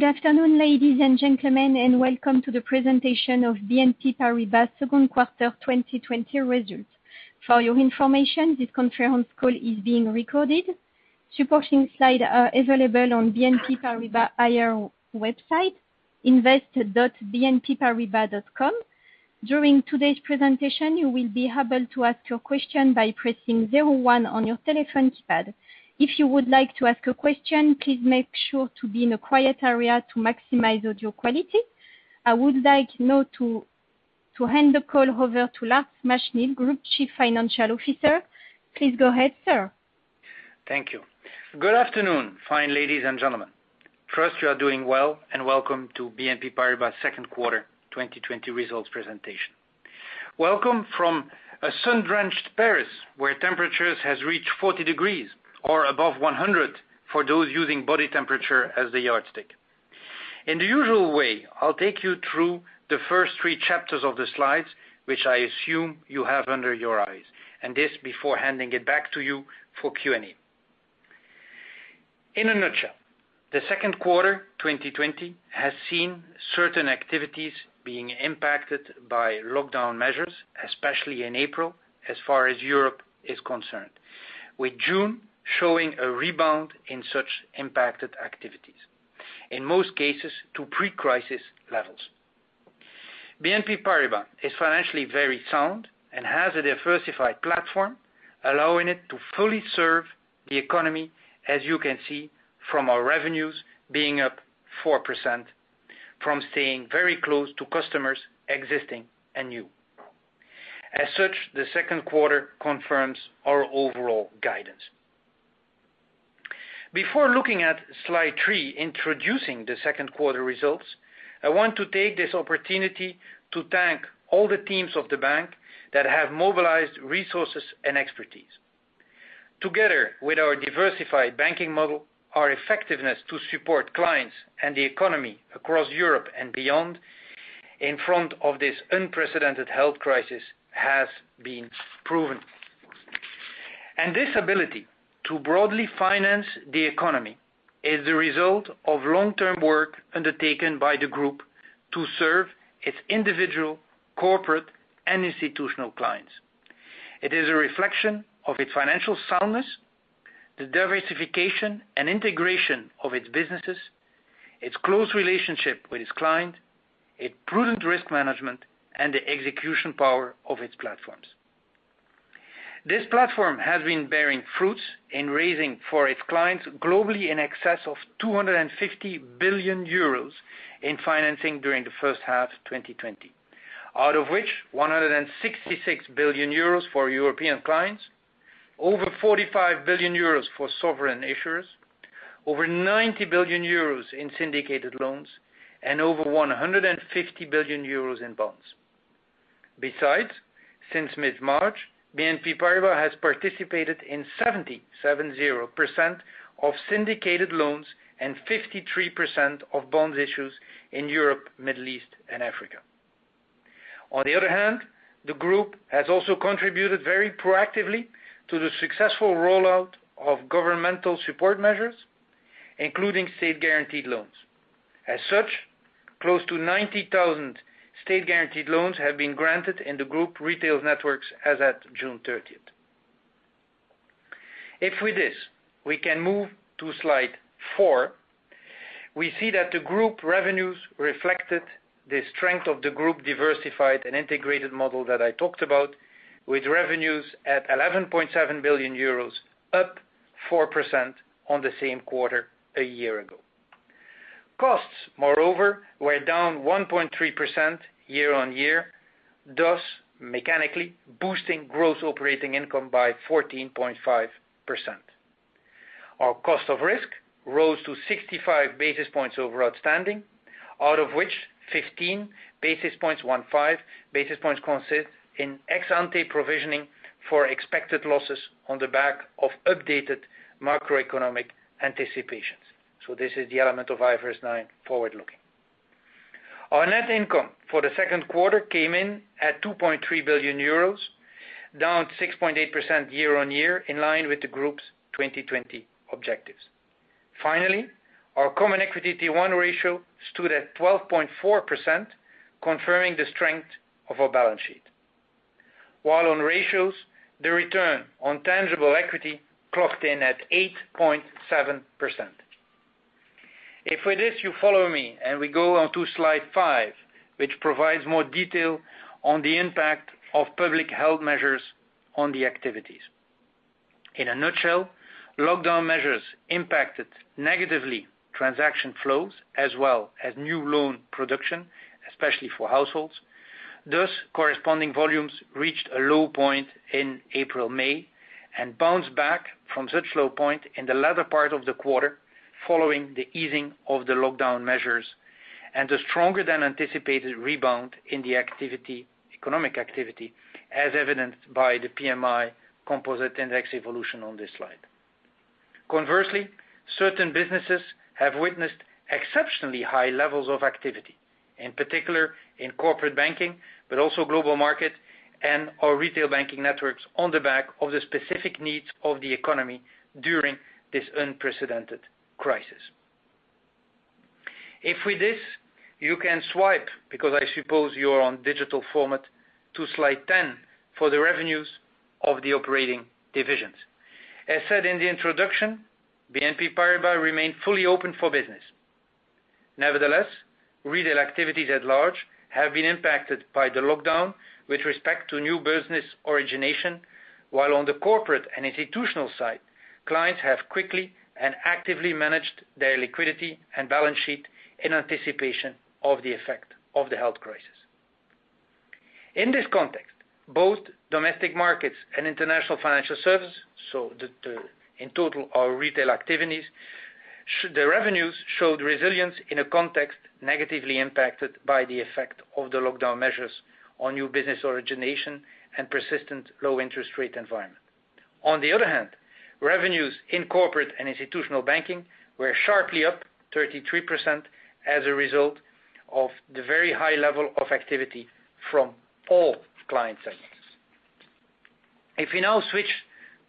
Good afternoon, ladies and gentlemen, welcome to the presentation of BNP Paribas second quarter 2020 results. For your information, this conference call is being recorded. Supporting slides are available on BNP Paribas IR website, invest.bnpparibas.com. During today's presentation, you will be able to ask your question by pressing zero one on your telephone keypad. If you would like to ask a question, please make sure to be in a quiet area to maximize audio quality. I would like now to hand the call over to Lars Machenil, Group Chief Financial Officer. Please go ahead, sir. Thank you. Good afternoon, fine ladies and gentlemen. Trust you are doing well. Welcome to BNP Paribas second quarter 2020 results presentation. Welcome from a sun-drenched Paris, where temperatures has reached 40 degrees, or above 100 for those using body temperature as the yardstick. In the usual way, I'll take you through the first three chapters of the slides, which I assume you have under your eyes. This before handing it back to you for Q&A. In a nutshell, the second quarter 2020 has seen certain activities being impacted by lockdown measures, especially in April, as far as Europe is concerned, with June showing a rebound in such impacted activities, in most cases to pre-crisis levels. BNP Paribas is financially very sound and has a diversified platform allowing it to fully serve the economy, as you can see from our revenues being up 4%, from staying very close to customers existing and new. As such, the second quarter confirms our overall guidance. Before looking at slide three, introducing the second quarter results, I want to take this opportunity to thank all the teams of the bank that have mobilized resources and expertise. Together with our diversified banking model, our effectiveness to support clients and the economy across Europe and beyond in front of this unprecedented health crisis has been proven. This ability to broadly finance the economy is the result of long-term work undertaken by the group to serve its individual, corporate, and institutional clients. It is a reflection of its financial soundness, the diversification and integration of its businesses, its close relationship with its client, a prudent risk management, and the execution power of its platforms. This platform has been bearing fruits in raising for its clients globally in excess of 250 billion euros in financing during the first half 2020. Out of which, 166 billion euros for European clients, over 45 billion euros for sovereign issuers, over 90 billion euros in syndicated loans, and over 150 billion euros in bonds. Besides, since mid-March, BNP Paribas has participated in 70% of syndicated loans and 53% of bonds issues in Europe, Middle East, and Africa. On the other hand, the group has also contributed very proactively to the successful rollout of governmental support measures, including state-guaranteed loans. As such, close to 90,000 state-guaranteed loans have been granted in the group retails networks as at June 30th. With this, we can move to slide four, we see that the group revenues reflected the strength of the group diversified and integrated model that I talked about, with revenues at 11.7 billion euros, up 4% on the same quarter a year ago. Costs, moreover, were down 1.3% year-on-year, thus mechanically boosting gross operating income by 14.5%. Our cost of risk rose to 65 basis points over outstanding, out of which 15 basis points, one five basis points, consist in ex-ante provisioning for expected losses on the back of updated macroeconomic anticipations. This is the element of IFRS 9 forward-looking. Our net income for the second quarter came in at 2.3 billion euros, down 6.8% year-on-year, in line with the group's 2020 objectives. Finally, our common equity Tier 1 ratio stood at 12.4%, confirming the strength of our balance sheet. While on ratios, the return on tangible equity clocked in at 8.7%. If with this you follow me and we go on to slide five, which provides more detail on the impact of public health measures on the activities. In a nutshell, lockdown measures impacted negatively transaction flows as well as new loan production, especially for households. Thus, corresponding volumes reached a low point in April, May, and bounced back from such low point in the latter part of the quarter, following the easing of the lockdown measures and a stronger than anticipated rebound in the economic activity, as evidenced by the PMI Composite Index evolution on this slide. Conversely, certain businesses have witnessed exceptionally high levels of activity. In particular, in corporate banking, but also global market and our retail banking networks on the back of the specific needs of the economy during this unprecedented crisis. If with this, you can swipe, because I suppose you're on digital format, to slide 10 for the revenues of the operating divisions. As said in the introduction, BNP Paribas remained fully open for business. Nevertheless, retail activities at large have been impacted by the lockdown with respect to new business origination, while on the corporate and institutional side, clients have quickly and actively managed their liquidity and balance sheet in anticipation of the effect of the health crisis. In this context, both Domestic Markets and International Financial Services, so in total, our retail activities, the revenues showed resilience in a context negatively impacted by the effect of the lockdown measures on new business origination and persistent low interest rate environment. On the other hand, revenues in Corporate and Institutional Banking were sharply up 33% as a result of the very high level of activity from all client segments. If we now switch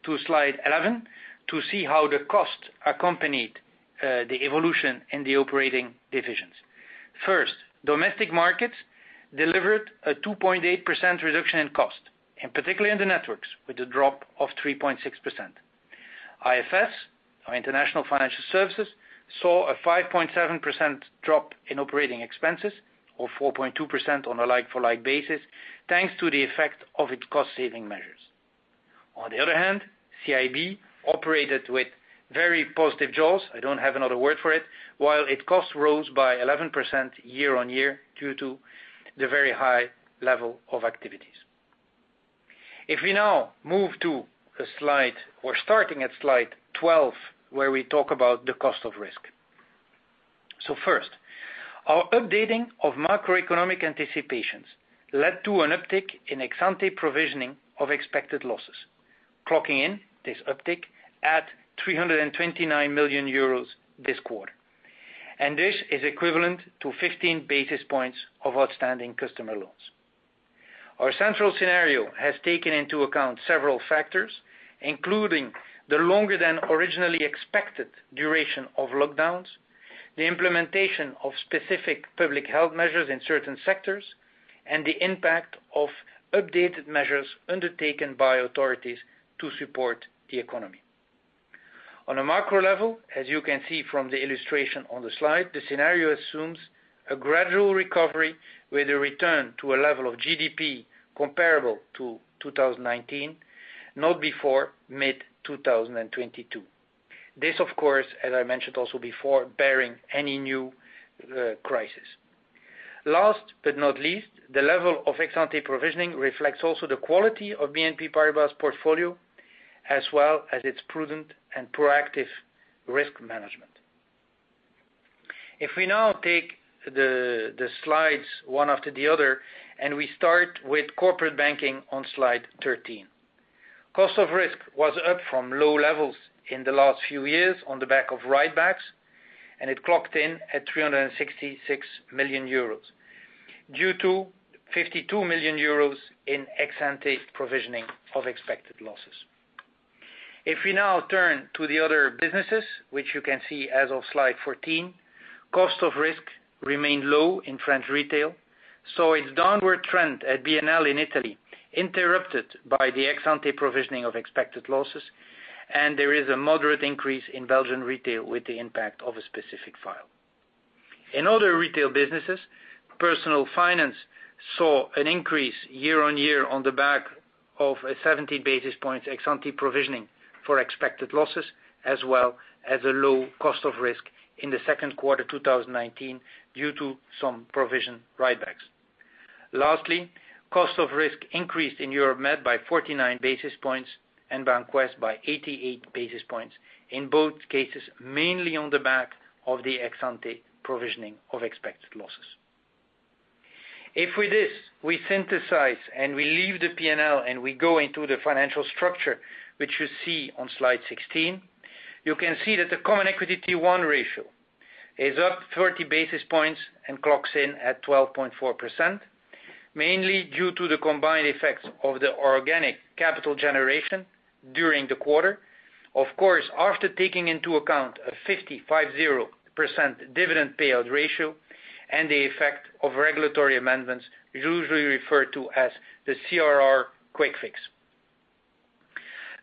to slide 11 to see how the cost accompanied the evolution in the operating divisions. First, Domestic Markets delivered a 2.8% reduction in cost, and particularly in the networks with a drop of 3.6%. IFS, our International Financial Services, saw a 5.7% drop in operating expenses, or 4.2% on a like-for-like basis, thanks to the effect of its cost-saving measures. On the other hand, CIB operated with very positive jaws, I don't have another word for it, while its cost rose by 11% year-on-year due to the very high level of activities. If we now move to a slide or starting at slide 12, where we talk about the cost of risk. First, our updating of macroeconomic anticipations led to an uptick in ex-ante provisioning of expected losses, clocking in this uptick at 329 million euros this quarter. This is equivalent to 15 basis points of outstanding customer loans. Our central scenario has taken into account several factors, including the longer than originally expected duration of lockdowns, the implementation of specific public health measures in certain sectors, and the impact of updated measures undertaken by authorities to support the economy. On a macro level, as you can see from the illustration on the slide, the scenario assumes a gradual recovery with a return to a level of GDP comparable to 2019, not before mid-2022. This, of course, as I mentioned also before, bearing any new crisis. Last but not least, the level of ex-ante provisioning reflects also the quality of BNP Paribas' portfolio, as well as its prudent and proactive risk management. If we now take the slides one after the other, and we start with corporate banking on slide 13. Cost of risk was up from low levels in the last few years on the back of write-backs. It clocked in at €366 million due to €52 million in ex-ante provisioning of expected losses. If we now turn to the other businesses, which you can see as of slide 14, cost of risk remained low in French retail, saw its downward trend at BNL in Italy interrupted by the ex-ante provisioning of expected losses. There is a moderate increase in Belgian retail with the impact of a specific file. In other retail businesses, personal finance saw an increase year-on-year on the back of a 70-basis point ex-ante provisioning for expected losses, as well as a low cost of risk in the second quarter 2019 due to some provision write-backs. Lastly, cost of risk increased in Europe Med by 49 basis points and BancWest by 88 basis points. In both cases, mainly on the back of the ex-ante provisioning of expected losses. If with this, we synthesize and we leave the P&L and we go into the financial structure, which you see on slide 16, you can see that the common equity Tier 1 ratio is up 30 basis points and clocks in at 12.4%, mainly due to the combined effects of the organic capital generation during the quarter. Of course, after taking into account a 50%, five, zero, percent dividend payout ratio and the effect of regulatory amendments usually referred to as the CRR quick fix.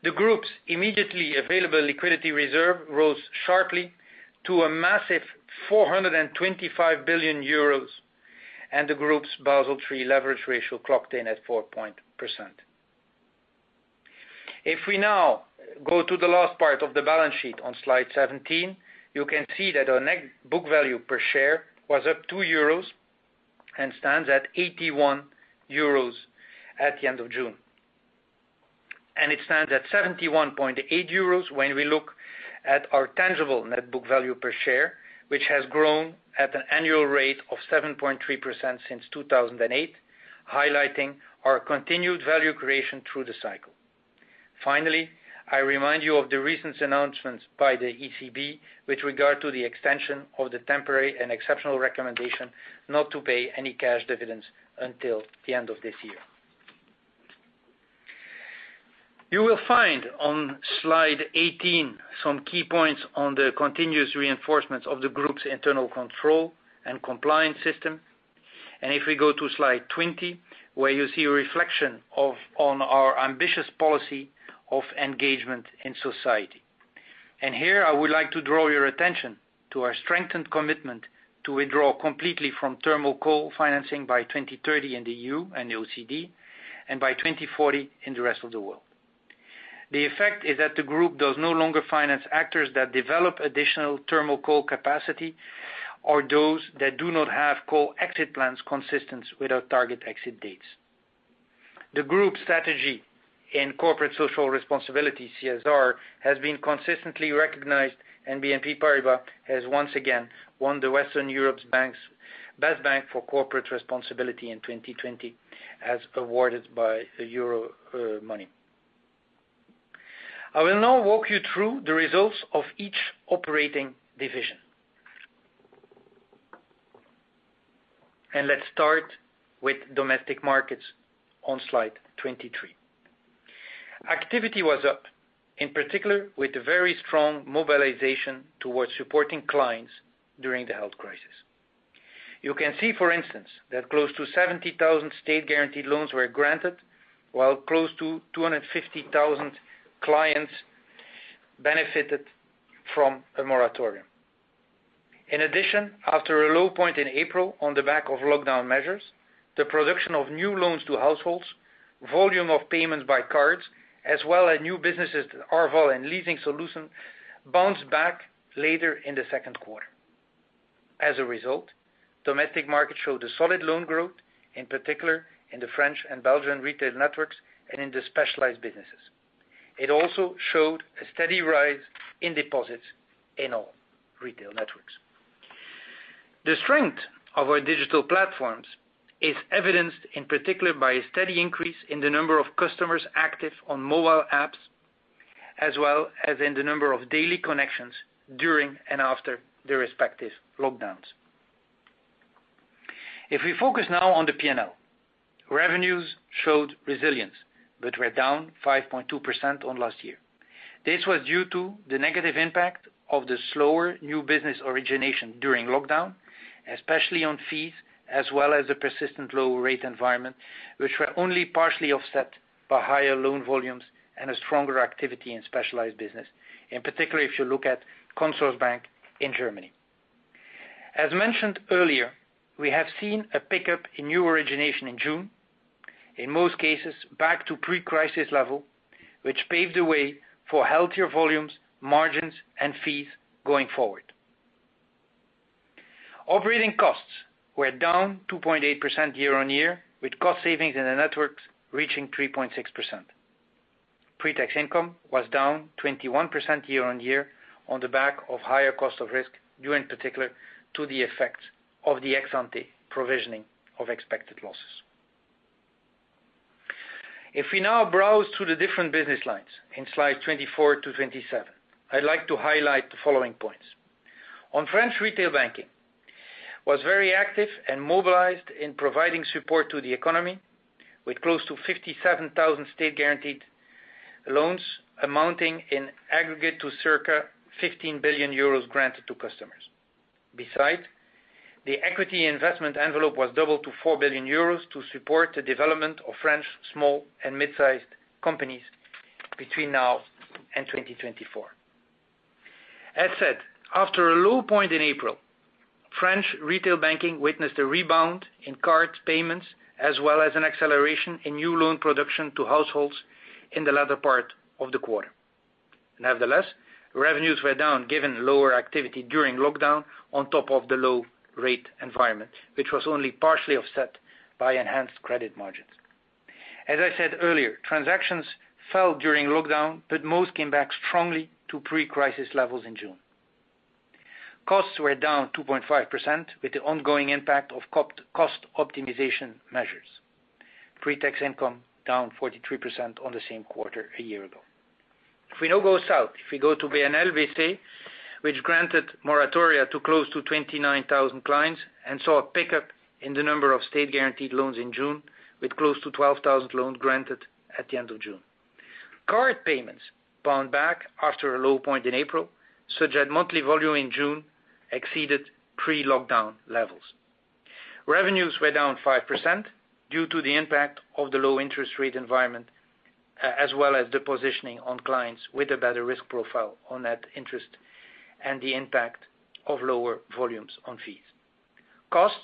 The Group's immediately available liquidity reserve rose sharply to a massive 425 billion euros, and the Group's Basel III leverage ratio clocked in at 4%. We now go to the last part of the balance sheet on slide 17, you can see that our net book value per share was up 2 euros and stands at 81 euros at the end of June. It stands at 71.8 euros when we look at our tangible net book value per share, which has grown at an annual rate of 7.3% since 2008, highlighting our continued value creation through the cycle. Finally, I remind you of the recent announcements by the ECB with regard to the extension of the temporary and exceptional recommendation not to pay any cash dividends until the end of this year. You will find on slide 18 some key points on the continuous reinforcements of the Group's internal control and compliance system. If we go to slide 20, where you see a reflection on our ambitious policy of engagement in society. Here, I would like to draw your attention to our strengthened commitment to withdraw completely from thermal coal financing by 2030 in the EU and the OECD, and by 2040 in the rest of the world. The effect is that the Group does no longer finance actors that develop additional thermal coal capacity or those that do not have coal exit plans consistent with our target exit dates. The Group's strategy in corporate social responsibility, CSR, has been consistently recognized, and BNP Paribas has once again won the Western Europe's Best Bank for Corporate Responsibility in 2020 as awarded by the Euromoney. I will now walk you through the results of each operating division. Let's start with Domestic Markets on slide 23. Activity was up, in particular, with a very strong mobilization towards supporting clients during the health crisis. You can see, for instance, that close to 70,000 state-guaranteed loans were granted, while close to 250,000 clients benefited from a moratorium. In addition, after a low point in April on the back of lockdown measures, the production of new loans to households, volume of payments by cards, as well as new businesses, Arval and Leasing Solutions, bounced back later in the second quarter. As a result, Domestic Market showed a solid loan growth, in particular in the French and Belgian retail networks and in the specialized businesses. It also showed a steady rise in deposits in all retail networks. The strength of our digital platforms is evidenced in particular by a steady increase in the number of customers active on mobile apps, as well as in the number of daily connections during and after the respective lockdowns. If we focus now on the P&L, revenues showed resilience but were down 5.2% on last year. This was due to the negative impact of the slower new business origination during lockdown, especially on fees, as well as the persistent low rate environment, which were only partially offset by higher loan volumes and a stronger activity in specialized business, in particular, if you look at Consorsbank in Germany. As mentioned earlier, we have seen a pickup in new origination in June, in most cases back to pre-crisis level, which paved the way for healthier volumes, margins, and fees going forward. Operating costs were down 2.8% year-on-year, with cost savings in the networks reaching 3.6%. Pre-tax income was down 21% year-on-year on the back of higher cost of risk, due in particular to the effect of the ex-ante provisioning of expected losses. If we now browse through the different business lines in slide 24 to 27, I'd like to highlight the following points. On French Retail Banking, was very active and mobilized in providing support to the economy with close to 57,000 state-guaranteed loans amounting in aggregate to circa 15 billion euros granted to customers. The equity investment envelope was doubled to 4 billion euros to support the development of French small and mid-sized companies between now and 2024. As said, after a low point in April, French Retail Banking witnessed a rebound in card payments as well as an acceleration in new loan production to households in the latter part of the quarter. Revenues were down given lower activity during lockdown on top of the low rate environment, which was only partially offset by enhanced credit margins. As I said earlier, transactions fell during lockdown, but most came back strongly to pre-crisis levels in June. Costs were down 2.5% with the ongoing impact of cost optimization measures. Pre-tax income down 43% on the same quarter a year ago. If we now go south, if we go to BNL bc, which granted moratoria to close to 29,000 clients and saw a pickup in the number of state-guaranteed loans in June, with close to 12,000 loans granted at the end of June. Card payments bounced back after a low point in April, such that monthly volume in June exceeded pre-lockdown levels. Revenues were down 5% due to the impact of the low interest rate environment, as well as the positioning on clients with a better risk profile on net interest and the impact of lower volumes on fees. Costs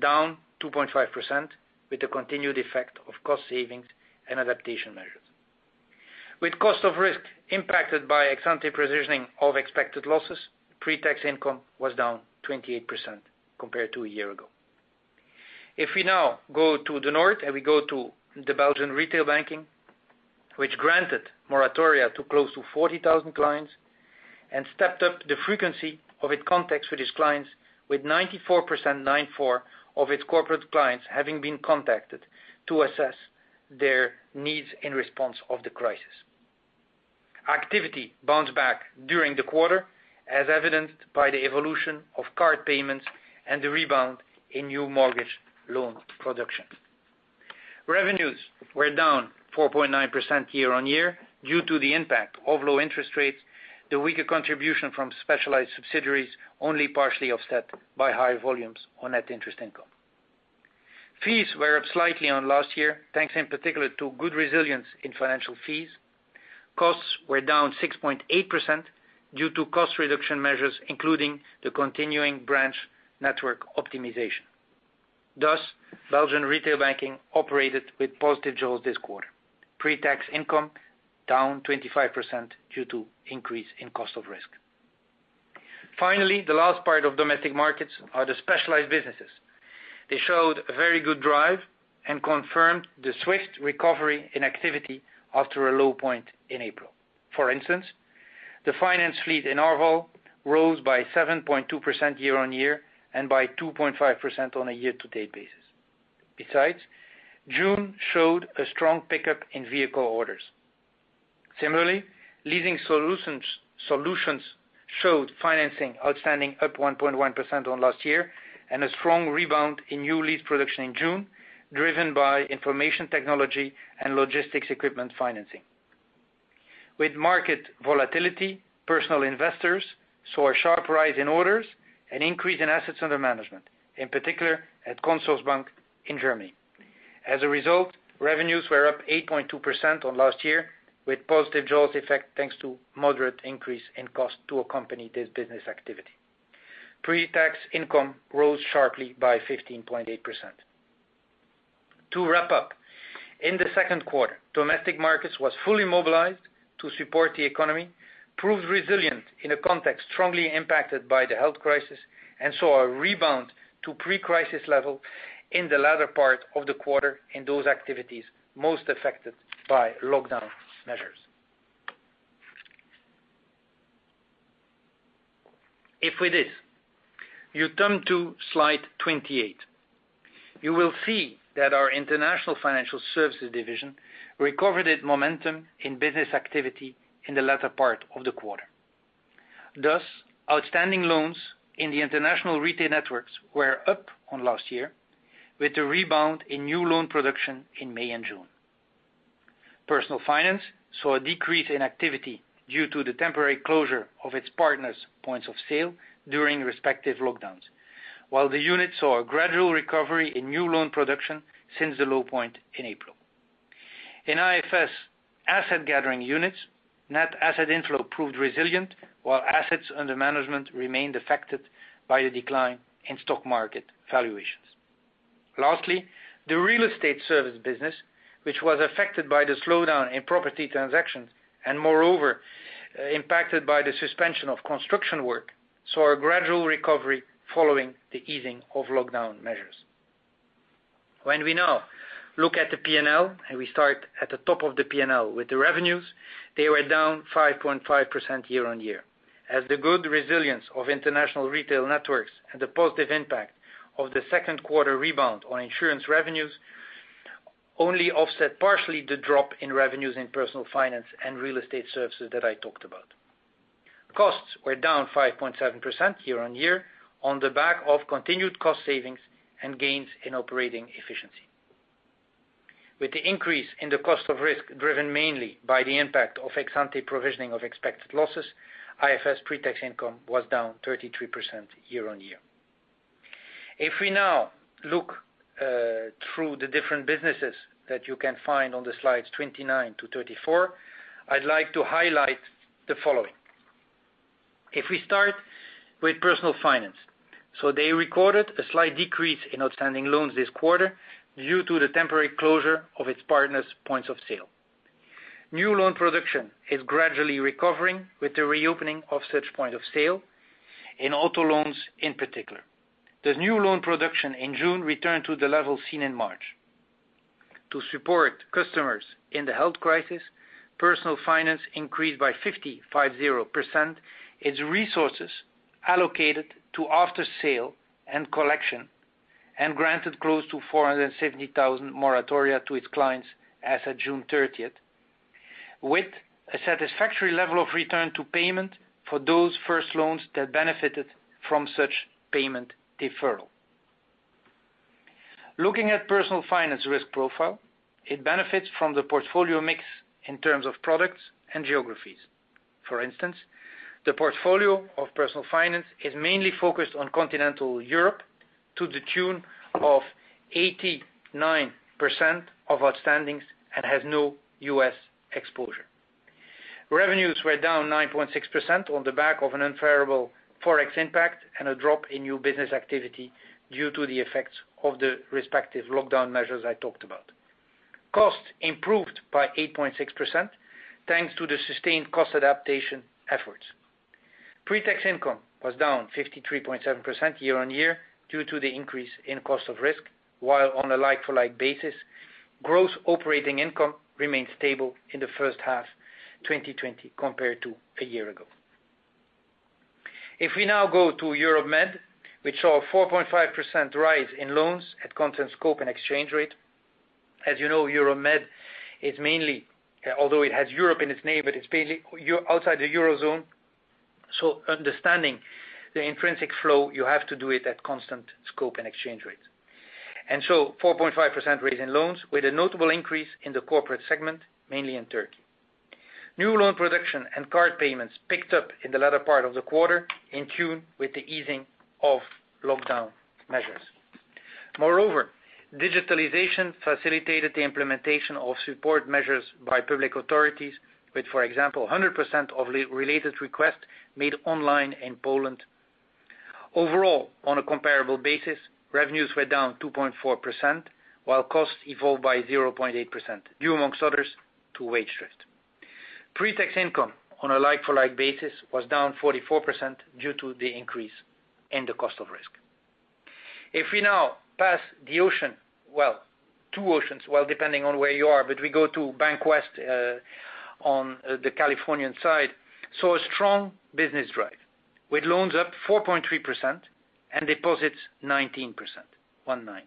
down 2.5% with the continued effect of cost savings and adaptation measures. With cost of risk impacted by ex-ante provisioning of expected losses, pre-tax income was down 28% compared to a year ago. If we now go to the north, and we go to the Belgian Retail Banking, which granted moratoria to close to 40,000 clients and stepped up the frequency of its contacts with its clients, with 94% of its corporate clients having been contacted to assess their needs in response of the crisis. Activity bounced back during the quarter, as evidenced by the evolution of card payments and the rebound in new mortgage loan production. Revenues were down 4.9% year-on-year due to the impact of low interest rates, the weaker contribution from specialized subsidiaries only partially offset by higher volumes on net interest income. Fees were up slightly on last year, thanks in particular to good resilience in financial fees. Costs were down 6.8% due to cost reduction measures, including the continuing branch network optimization. Thus, Belgian Retail Banking operated with positive jaws this quarter. Pre-tax income down 25% due to increase in cost of risk. The last part of Domestic Markets are the specialized businesses. They showed a very good drive and confirmed the swift recovery in activity after a low point in April. For instance, the finance fleet in Arval rose by 7.2% year-on-year and by 2.5% on a year-to-date basis. June showed a strong pickup in vehicle orders. Similarly, leasing solutions showed financing outstanding up 1.1% on last year and a strong rebound in new lead production in June, driven by information technology and logistics equipment financing. With market volatility, personal investors saw a sharp rise in orders and increase in assets under management, in particular at Consorsbank in Germany. As a result, revenues were up 8.2% on last year with positive jaws effect thanks to moderate increase in cost to accompany this business activity. Pre-tax income rose sharply by 15.8%. To wrap up, in the second quarter, Domestic Markets was fully mobilized to support the economy, proved resilient in a context strongly impacted by the health crisis, and saw a rebound to pre-crisis level in the latter part of the quarter in those activities most affected by lockdown measures. You turn to slide 28, you will see that our International Financial Services division recovered its momentum in business activity in the latter part of the quarter. Thus, outstanding loans in the international retail networks were up on last year, with a rebound in new loan production in May and June. Personal Finance saw a decrease in activity due to the temporary closure of its partners' points of sale during respective lockdowns, while the unit saw a gradual recovery in new loan production since the low point in April. In IFS asset gathering units, net asset inflow proved resilient, while assets under management remained affected by the decline in stock market valuations. Lastly, the Real Estate service business, which was affected by the slowdown in property transactions and moreover impacted by the suspension of construction work, saw a gradual recovery following the easing of lockdown measures. When we now look at the P&L, and we start at the top of the P&L with the revenues, they were down 5.5% year-on-year as the good resilience of international retail networks and the positive impact of the second quarter rebound on insurance revenues only offset partially the drop in revenues in Personal Finance and Real Estate Services that I talked about. Costs were down 5.7% year-on-year on the back of continued cost savings and gains in operating efficiency. With the increase in the cost of risk driven mainly by the impact of ex-ante provisioning of expected losses, IFS pre-tax income was down 33% year-on-year. If we now look through the different businesses that you can find on the slides 29 to 34, I'd like to highlight the following. If we start with Personal Finance. They recorded a slight decrease in outstanding loans this quarter due to the temporary closure of its partners' points of sale. New loan production is gradually recovering with the reopening of such point of sale in auto loans in particular. The new loan production in June returned to the level seen in March. To support customers in the health crisis, Personal Finance increased by 50% its resources allocated to after-sale and collection, and granted close to 470,000 moratoria to its clients as of June 30th, with a satisfactory level of return to payment for those first loans that benefited from such payment deferral. Looking at Personal Finance risk profile, it benefits from the portfolio mix in terms of products and geographies. For instance, the portfolio of Personal Finance is mainly focused on continental Europe to the tune of 89% of outstandings and has no U.S. exposure. Revenues were down 9.6% on the back of an unfavorable Forex impact and a drop in new business activity due to the effects of the respective lockdown measures I talked about. Costs improved by 8.6% thanks to the sustained cost adaptation efforts. Pre-tax income was down 53.7% year-on-year due to the increase in cost of risk, while on a like-for-like basis, gross operating income remained stable in the first half 2020 compared to a year ago. We now go to Europe-Mediterranean, which saw a 4.5% rise in loans at constant scope and exchange rate. As you know, Europe-Mediterranean, although it has Europe in its name, it's mainly outside the Eurozone. Understanding the intrinsic flow, you have to do it at constant scope and exchange rate. 4.5% raise in loans with a notable increase in the corporate segment, mainly in Turkey. New loan production and card payments picked up in the latter part of the quarter, in tune with the easing of lockdown measures. Moreover, digitalization facilitated the implementation of support measures by public authorities with, for example, 100% of related requests made online in Poland. Overall, on a comparable basis, revenues were down 2.4%, while costs evolved by 0.8%, due amongst others, to wage drift. Pre-tax income on a like-for-like basis was down 44% due to the increase in the cost of risk. If we now pass the ocean, well, two oceans, well, depending on where you are, but we go to BancWest on the Californian side, saw a strong business drive, with loans up 4.3% and deposits 19%, one nine.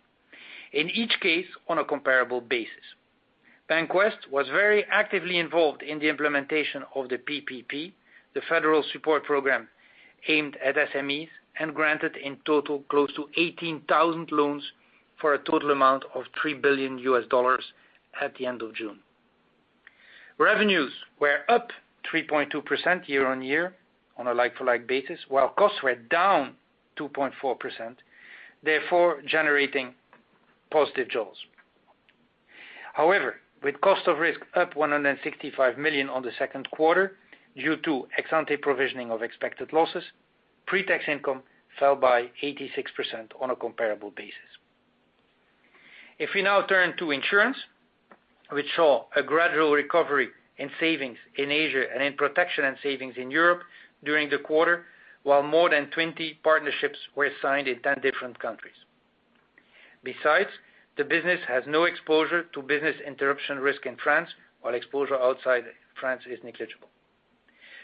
In each case, on a comparable basis. BancWest was very actively involved in the implementation of the PPP, the federal support program aimed at SMEs, and granted in total close to 18,000 loans for a total amount of $3 billion at the end of June. Revenues were up 3.2% year-on-year on a like-for-like basis, while costs were down 2.4%, therefore generating positive jaws. With cost of risk up $165 million on the second quarter due to ex-ante provisioning of expected losses, pre-tax income fell by 86% on a comparable basis. If we now turn to insurance, we saw a gradual recovery in savings in Asia and in protection and savings in Europe during the quarter, while more than 20 partnerships were signed in 10 different countries. The business has no exposure to business interruption risk in France, while exposure outside France is negligible.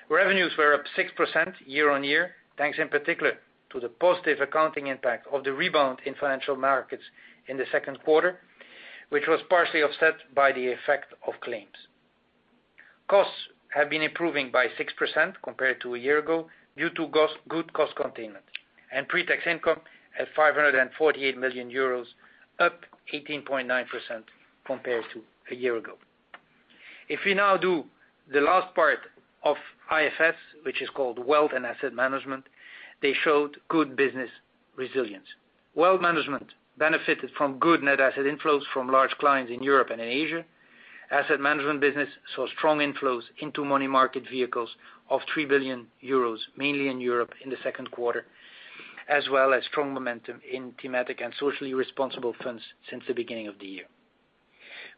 Revenues were up 6% year-on-year, thanks in particular to the positive accounting impact of the rebound in financial markets in the second quarter, which was partially offset by the effect of claims. Costs have been improving by 6% compared to a year ago due to good cost containment. Pre-tax income at 548 million euros, up 18.9% compared to a year ago. If we now do the last part of IFRS, which is called wealth and asset management, they showed good business resilience. Wealth management benefited from good net asset inflows from large clients in Europe and in Asia. Asset management business saw strong inflows into money market vehicles of 3 billion euros, mainly in Europe in the second quarter, as well as strong momentum in thematic and socially responsible funds since the beginning of the year.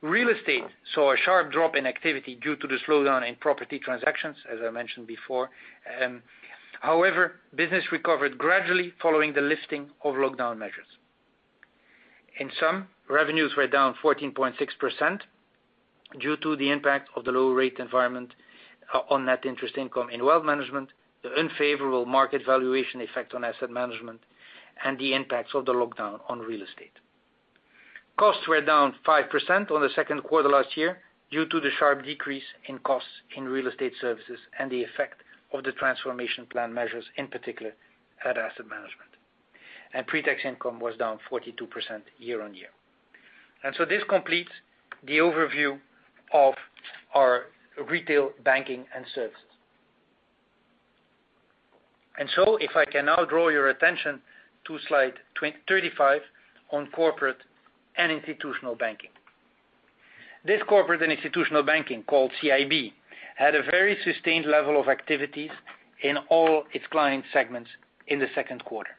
Real estate saw a sharp drop in activity due to the slowdown in property transactions, as I mentioned before. However, business recovered gradually following the lifting of lockdown measures. In sum, revenues were down 14.6% due to the impact of the low rate environment on net interest income in wealth management, the unfavorable market valuation effect on asset management, and the impacts of the lockdown on real estate. Costs were down 5% on the second quarter last year due to the sharp decrease in costs in real estate services and the effect of the transformation plan measures, in particular at asset management. Pre-tax income was down 42% year-on-year. This completes the overview of our retail banking and services. If I can now draw your attention to slide 35 on Corporate and Institutional Banking. This corporate and institutional banking, called CIB, had a very sustained level of activities in all its client segments in the second quarter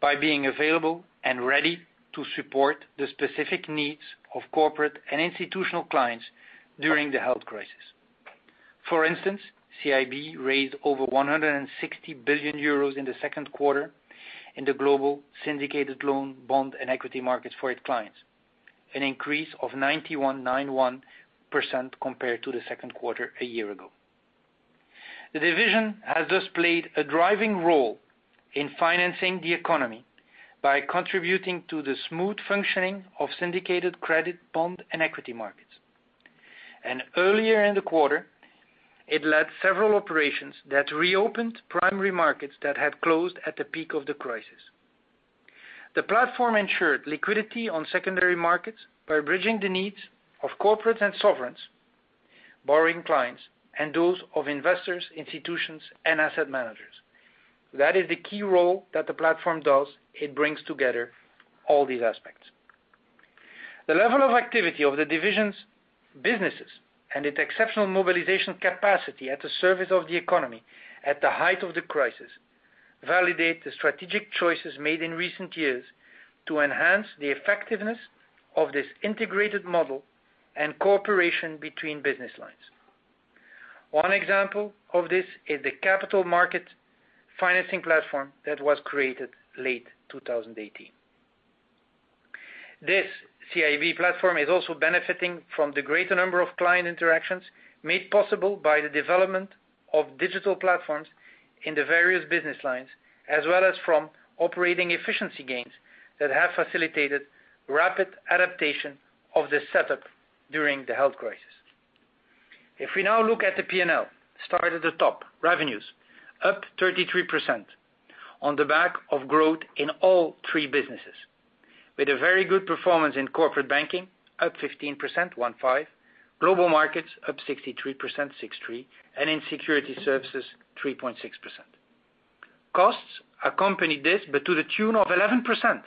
by being available and ready to support the specific needs of corporate and institutional clients during the health crisis. For instance, CIB raised over 160 billion euros in the second quarter in the global syndicated loan, bond, and equity markets for its clients, an increase of 91% compared to the second quarter a year ago. The division has thus played a driving role in financing the economy by contributing to the smooth functioning of syndicated credit, bond, and equity markets. Earlier in the quarter, it led several operations that reopened primary markets that had closed at the peak of the crisis. The platform ensured liquidity on secondary markets by bridging the needs of corporate and sovereigns, borrowing clients, and those of investors, institutions, and asset managers. That is the key role that the platform does. It brings together all these aspects. The level of activity of the division's businesses and its exceptional mobilization capacity at the service of the economy at the height of the crisis. Validate the strategic choices made in recent years to enhance the effectiveness of this integrated model and cooperation between business lines. One example of this is the capital market financing platform that was created late 2018. This CIB platform is also benefiting from the greater number of client interactions made possible by the development of digital platforms in the various business lines, as well as from operating efficiency gains that have facilitated rapid adaptation of this setup during the health crisis. If we now look at the P&L, start at the top, revenues up 33% on the back of growth in all three businesses, with a very good performance in Corporate Banking up 15%, 15, Global Markets up 63%, 63, and in Securities Services 3.6%. Costs accompanied this, to the tune of 11%.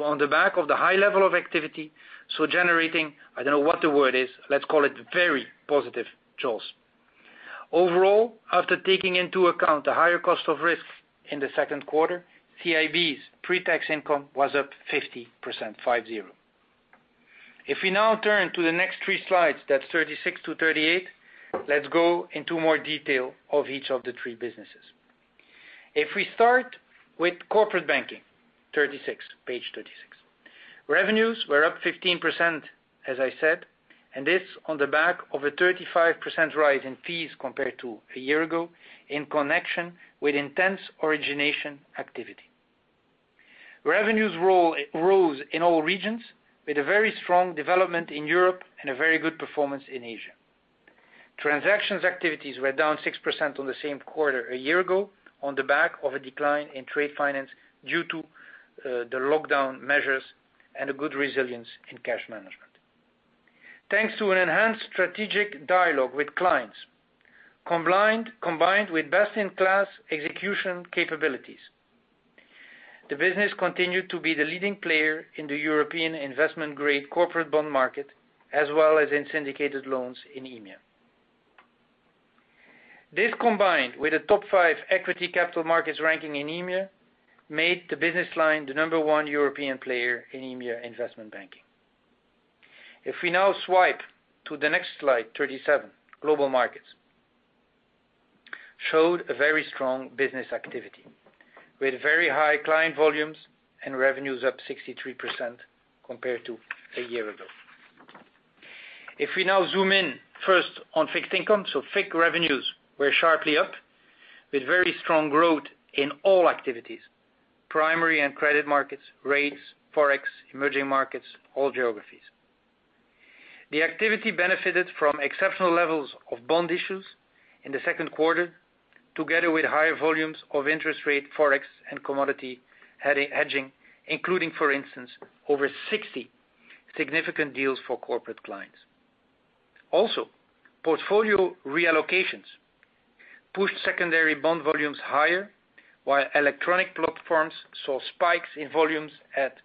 On the back of the high level of activity, so generating, I don't know what the word is, let's call it very positive jaws. Overall, after taking into account the higher cost of risk in the second quarter, CIB's pre-tax income was up 50%, 50. If we now turn to the next three slides, that's 36 to 38, let's go into more detail of each of the three businesses. If we start with Corporate Banking, 36, page 36. Revenues were up 15%, as I said, and this on the back of a 35% rise in fees compared to a year ago in connection with intense origination activity. Revenues rose in all regions with a very strong development in Europe and a very good performance in Asia. Transactions activities were down 6% on the same quarter a year ago on the back of a decline in trade finance due to the lockdown measures and a good resilience in cash management. Thanks to an enhanced strategic dialogue with clients, combined with best-in-class execution capabilities, the business continued to be the leading player in the European investment-grade corporate bond market, as well as in syndicated loans in EMEA. This, combined with a top five equity capital markets ranking in EMEA, made the business line the number 1 European player in EMEA investment banking. If we now swipe to the next slide, 37, global markets showed a very strong business activity with very high client volumes and revenues up 63% compared to a year ago. If we now zoom in first on fixed income, FIC revenues were sharply up with very strong growth in all activities, primary and credit markets, rates, Forex, emerging markets, all geographies. The activity benefited from exceptional levels of bond issues in the second quarter, together with higher volumes of interest rate, Forex, and commodity hedging, including, for instance, over 60 significant deals for corporate clients. Also, portfolio reallocations pushed secondary bond volumes higher, while electronic platforms saw spikes in volumes at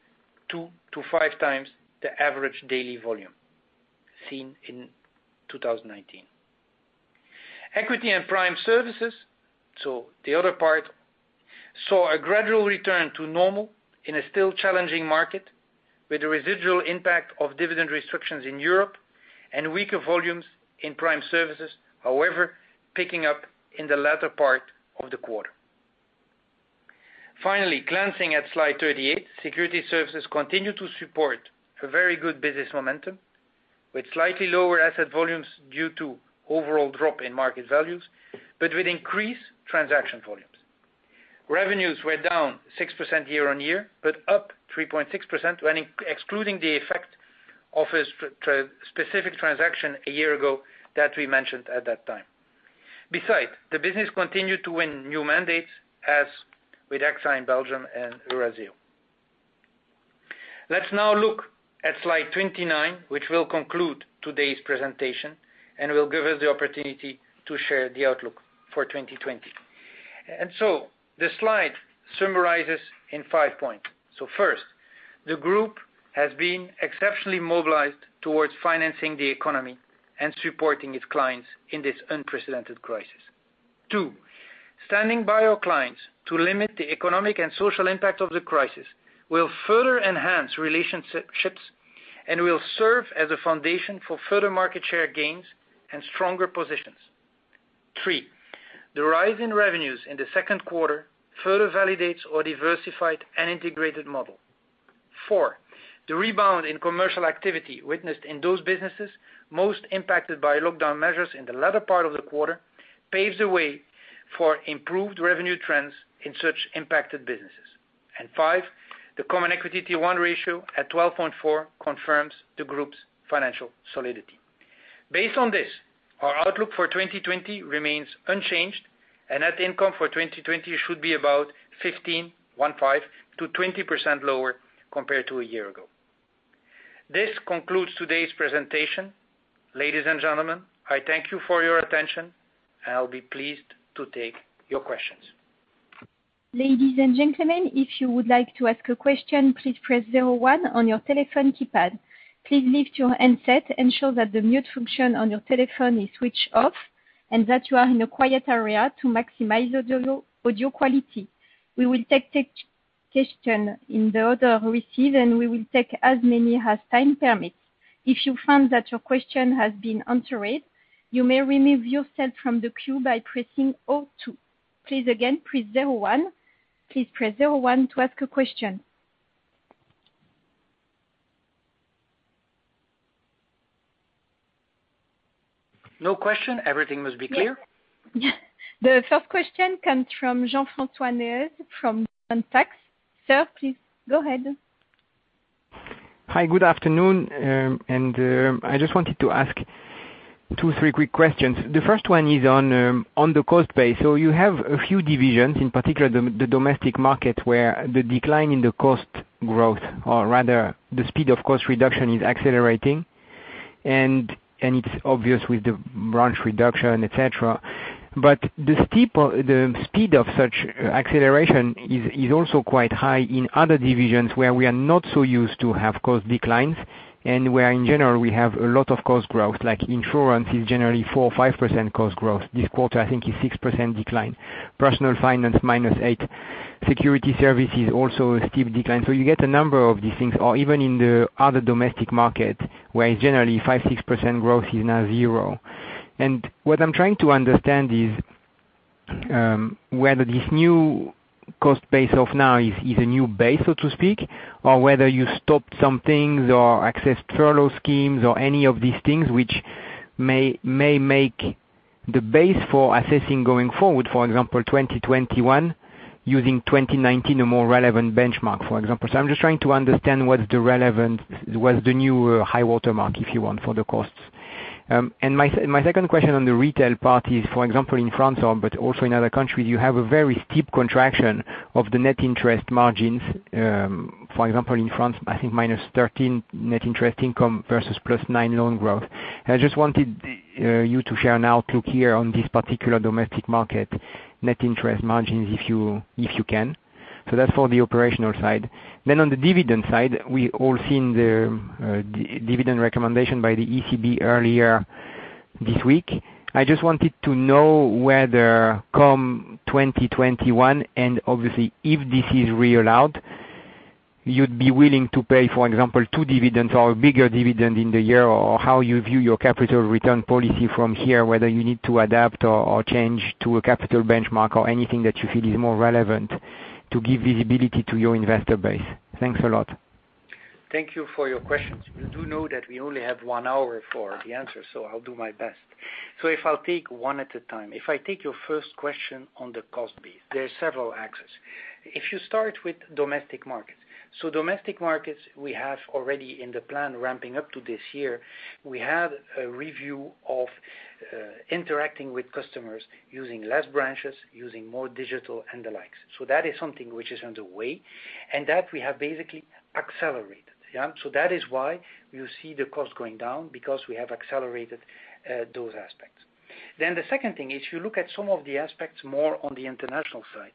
two to five times the average daily volume seen in 2019. Equity and Prime Services, so the other part, saw a gradual return to normal in a still challenging market with a residual impact of dividend restrictions in Europe and weaker volumes in Prime Services, however, picking up in the latter part of the quarter. Finally, glancing at slide 38, Security Services continue to support a very good business momentum with slightly lower asset volumes due to overall drop in market values, but with increased transaction volumes. Revenues were down 6% year-on-year, but up 3.6% when excluding the effect of a specific transaction a year ago that we mentioned at that time. Besides, the business continued to win new mandates as with AXA in Belgium and Eurazeo. Let's now look at slide 29, which will conclude today's presentation and will give us the opportunity to share the outlook for 2020. The slide summarizes in five points. First, the group has been exceptionally mobilized towards financing the economy and supporting its clients in this unprecedented crisis. Two, standing by our clients to limit the economic and social impact of the crisis will further enhance relationships and will serve as a foundation for further market share gains and stronger positions. Three, the rise in revenues in the second quarter further validates our diversified and integrated model. Four, the rebound in commercial activity witnessed in those businesses most impacted by lockdown measures in the latter part of the quarter, paves the way for improved revenue trends in such impacted businesses. Five, the common equity Tier 1 ratio at 12.4 confirms the group's financial solidity. Based on this, our outlook for 2020 remains unchanged, and net income for 2020 should be about 15, one five, to 20% lower compared to a year ago. This concludes today's presentation. Ladies and gentlemen, I thank you for your attention. I'll be pleased to take your questions. Ladies and gentlemen, if you would like to ask a question, please press 01 on your telephone keypad. Please lift your handset, ensure that the mute function on your telephone is switched off and that you are in a quiet area to maximize audio quality. We will take questions in the order received, and we will take as many as time permits. If you find that your question has been answered, you may remove yourself from the queue by pressing 02. Please again, press 01 to ask a question. No question. Everything must be clear. Yes. The first question comes from Jean-François Neuez from Santax. Sir, please go ahead. Hi, good afternoon. I just wanted to ask two, three quick questions. The first one is on the cost base. You have a few divisions, in particular the Domestic Markets, where the decline in the cost growth or rather the speed of cost reduction is accelerating and it's obvious with the branch reduction, et cetera. The speed of such acceleration is also quite high in other divisions where we are not so used to have cost declines and where in general we have a lot of cost growth, like insurance is generally 4%, 5% cost growth. This quarter I think a 6% decline. Personal Finance, minus eight. Securities Services, also a steep decline. You get a number of these things, or even in the other Domestic Markets where generally 5%, 6% growth is now zero. What I'm trying to understand is whether this new cost base of now is a new base, so to speak, or whether you stopped some things or accessed furlough schemes or any of these things which may make the base for assessing going forward. 2021 using 2019, a more relevant benchmark, for example. I'm just trying to understand what's the new high water mark, if you want, for the costs. My second question on the retail part is, for example, in France, but also in other countries, you have a very steep contraction of the net interest margins. In France, I think -13% net interest income versus +9% loan growth. I just wanted you to share an outlook here on this particular Domestic Markets net interest margins, if you can. That's for the operational side. On the dividend side, we've all seen the dividend recommendation by the ECB earlier this week. I just wanted to know whether come 2021 and obviously if this is reallowed, you'd be willing to pay, for example, two dividends or a bigger dividend in the year, or how you view your capital return policy from here, whether you need to adapt or change to a capital benchmark or anything that you feel is more relevant to give visibility to your investor base. Thanks a lot. Thank you for your questions. You do know that we only have one hour for the answers, so I'll do my best. If I'll take one at a time. If I take your first question on the cost base, there are several axes. If you start with Domestic Markets. Domestic Markets, we have already in the plan ramping up to this year. We had a review of interacting with customers using less branches, using more digital and the likes. That is something which is underway and that we have basically accelerated. Yeah. That is why you see the cost going down, because we have accelerated those aspects. The second thing is, if you look at some of the aspects more on the international side,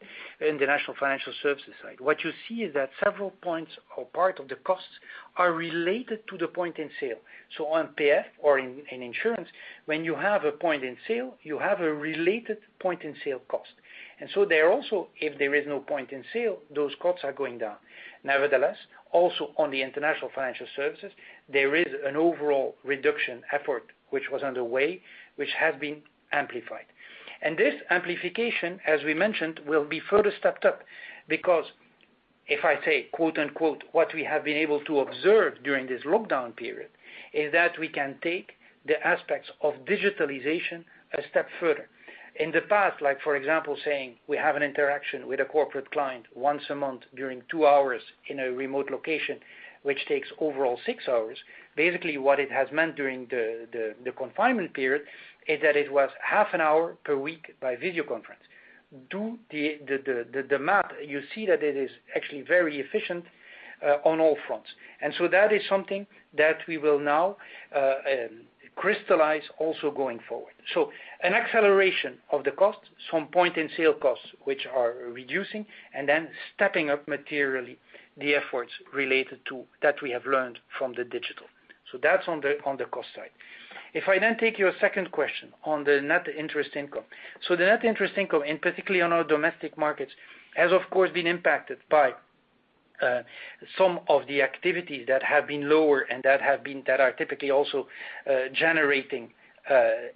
International Financial Services side, what you see is that several points or part of the costs are related to the point in sale. On PF or in insurance, when you have a point in sale, you have a related point in sale cost. There also, if there is no point in sale, those costs are going down. Nevertheless, also on the International Financial Services, there is an overall reduction effort which was underway, which has been amplified. This amplification, as we mentioned, will be further stepped up because if I say "what we have been able to observe during this lockdown period" is that we can take the aspects of digitalization a step further. In the past, like for example, saying we have an interaction with a corporate client once a month during two hours in a remote location, which takes overall six hours. Basically what it has meant during the confinement period is that it was half an hour per week by video conference. Do the math, you see that it is actually very efficient on all fronts. That is something that we will now crystallize also going forward. An acceleration of the costs from point in sale costs, which are reducing and then stepping up materially the efforts related to that we have learned from the digital. That's on the cost side. If I then take your second question on the net interest income. The net interest income and particularly on our Domestic Markets, has of course been impacted by some of the activities that have been lower and that are typically also generating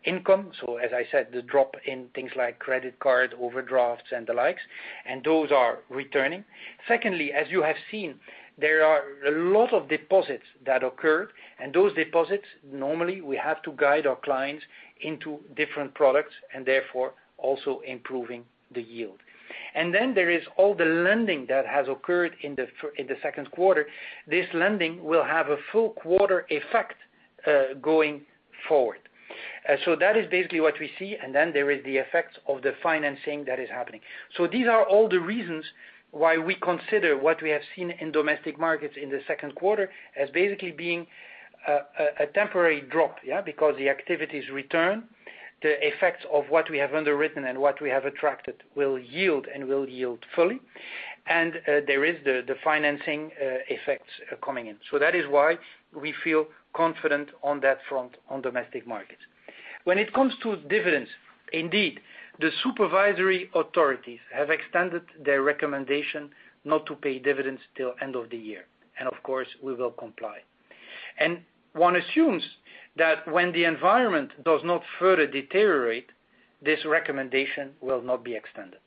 income. As I said, the drop in things like credit card overdrafts and the likes, and those are returning. Secondly, as you have seen, there are a lot of deposits that occurred, and those deposits, normally we have to guide our clients into different products and therefore also improving the yield. There is all the lending that has occurred in the second quarter. This lending will have a full quarter effect going forward. That is basically what we see, and then there is the effect of the financing that is happening. These are all the reasons why we consider what we have seen in Domestic Markets in the second quarter as basically being a temporary drop, yeah, because the activities return, the effects of what we have underwritten and what we have attracted will yield and will yield fully. There is the financing effects coming in. That is why we feel confident on that front on Domestic Markets. When it comes to dividends, indeed, the supervisory authorities have extended their recommendation not to pay dividends till end of the year, and of course, we will comply. One assumes that when the environment does not further deteriorate, this recommendation will not be extended.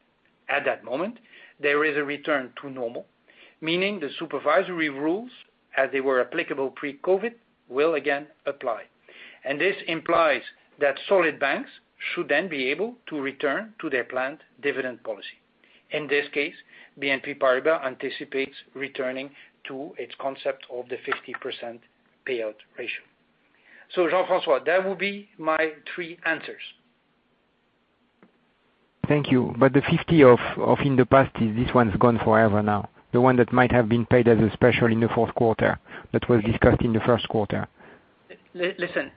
At that moment, there is a return to normal, meaning the supervisory rules, as they were applicable pre-COVID, will again apply. This implies that solid banks should then be able to return to their planned dividend policy. In this case, BNP Paribas anticipates returning to its concept of the 50% payout ratio. Jean-Francois, that will be my three answers. Thank you. The 50 of in the past, this one's gone forever now, the one that might have been paid as a special in the fourth quarter, that was discussed in the first quarter. Listen,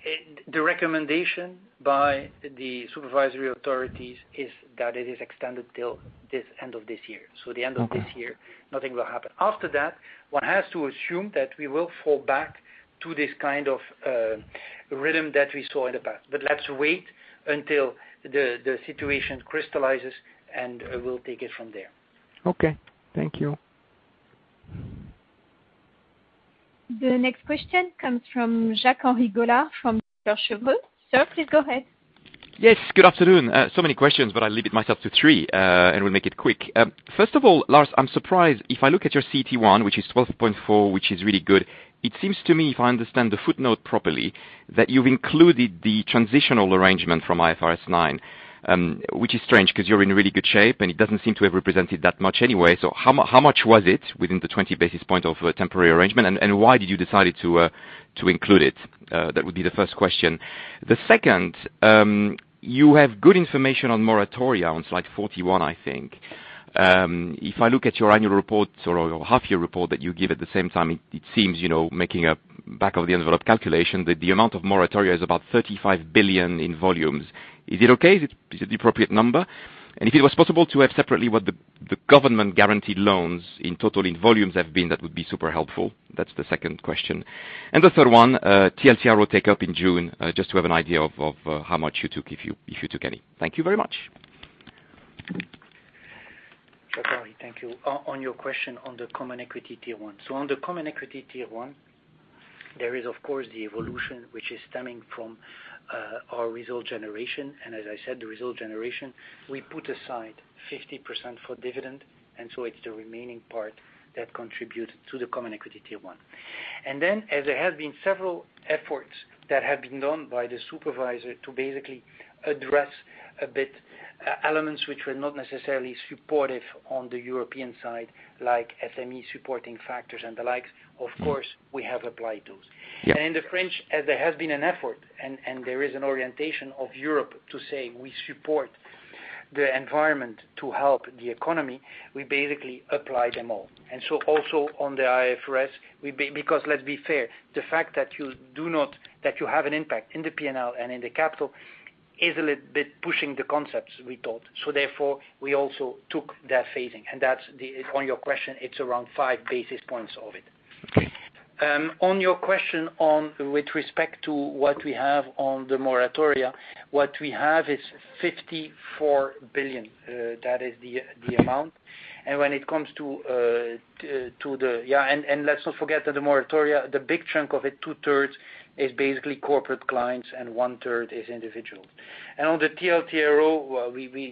the recommendation by the supervisory authorities is that it is extended till end of this year. The end of this year, nothing will happen. After that, one has to assume that we will fall back to this kind of rhythm that we saw in the past. Let's wait until the situation crystallizes, and we'll take it from there. Okay. Thank you. The next question comes from Jacques-Henri Gaulard from Cheuvreux. Sir, please go ahead. Yes, good afternoon. Many questions, but I limit myself to three, and we'll make it quick. First of all, Lars, I'm surprised. If I look at your CET1, which is 12.4, which is really good, it seems to me, if I understand the footnote properly, that you've included the transitional arrangement from IFRS 9, which is strange because you're in really good shape, and it doesn't seem to have represented that much anyway. How much was it within the 20 basis points of temporary arrangement, and why did you decide to include it? That would be the first question. The second, you have good information on moratoria on slide 41, I think. If I look at your annual report or your half-year report that you give at the same time, it seems, making a back-of-the-envelope calculation, that the amount of moratoria is about 35 billion in volumes. Is it okay? Is it the appropriate number? If it was possible to have separately what the government-guaranteed loans in total in volumes have been, that would be super helpful. That's the second question. The third one, TLTRO take-up in June, just to have an idea of how much you took, if you took any. Thank you very much. Jacques-Henri, thank you. On your question on the common equity Tier 1. On the common equity Tier 1, there is of course the evolution which is stemming from our result generation. As I said, the result generation, we put aside 50% for dividend, and so it's the remaining part that contributes to the common equity Tier 1. As there have been several efforts that have been done by the supervisor to basically address a bit elements which were not necessarily supportive on the European side, like SME supporting factors and the like, of course, we have applied those. In the French, as there has been an effort and there is an orientation of Europe to say we support the environment to help the economy, we basically apply them all. Also on the IFRS, because let's be fair, the fact that you have an impact in the P&L and in the capital is a little bit pushing the concepts, we thought. Therefore, we also took that phasing. On your question, it's around five basis points of it. On your question with respect to what we have on the moratoria, what we have is 54 billion. That is the amount. Let's not forget that the moratoria, the big chunk of it, two-thirds, is basically corporate clients and one-third is individuals. On the TLTRO,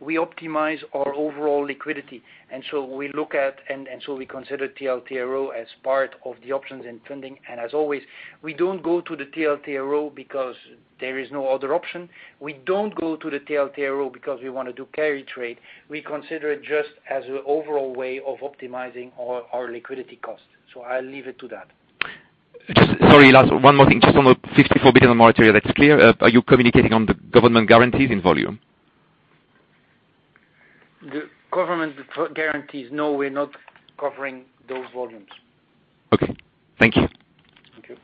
we optimize our overall liquidity. We consider TLTRO as part of the options and funding. As always, we don't go to the TLTRO because there is no other option. We don't go to the TLTRO because we want to do carry trade. We consider it just as an overall way of optimizing our liquidity cost. I'll leave it to that. Sorry, Lars, one more thing. Just on the 54 billion moratoria, that's clear. Are you communicating on the government guarantees in volume? The government guarantees, no, we're not covering those volumes. Okay. Thank you. Thank you.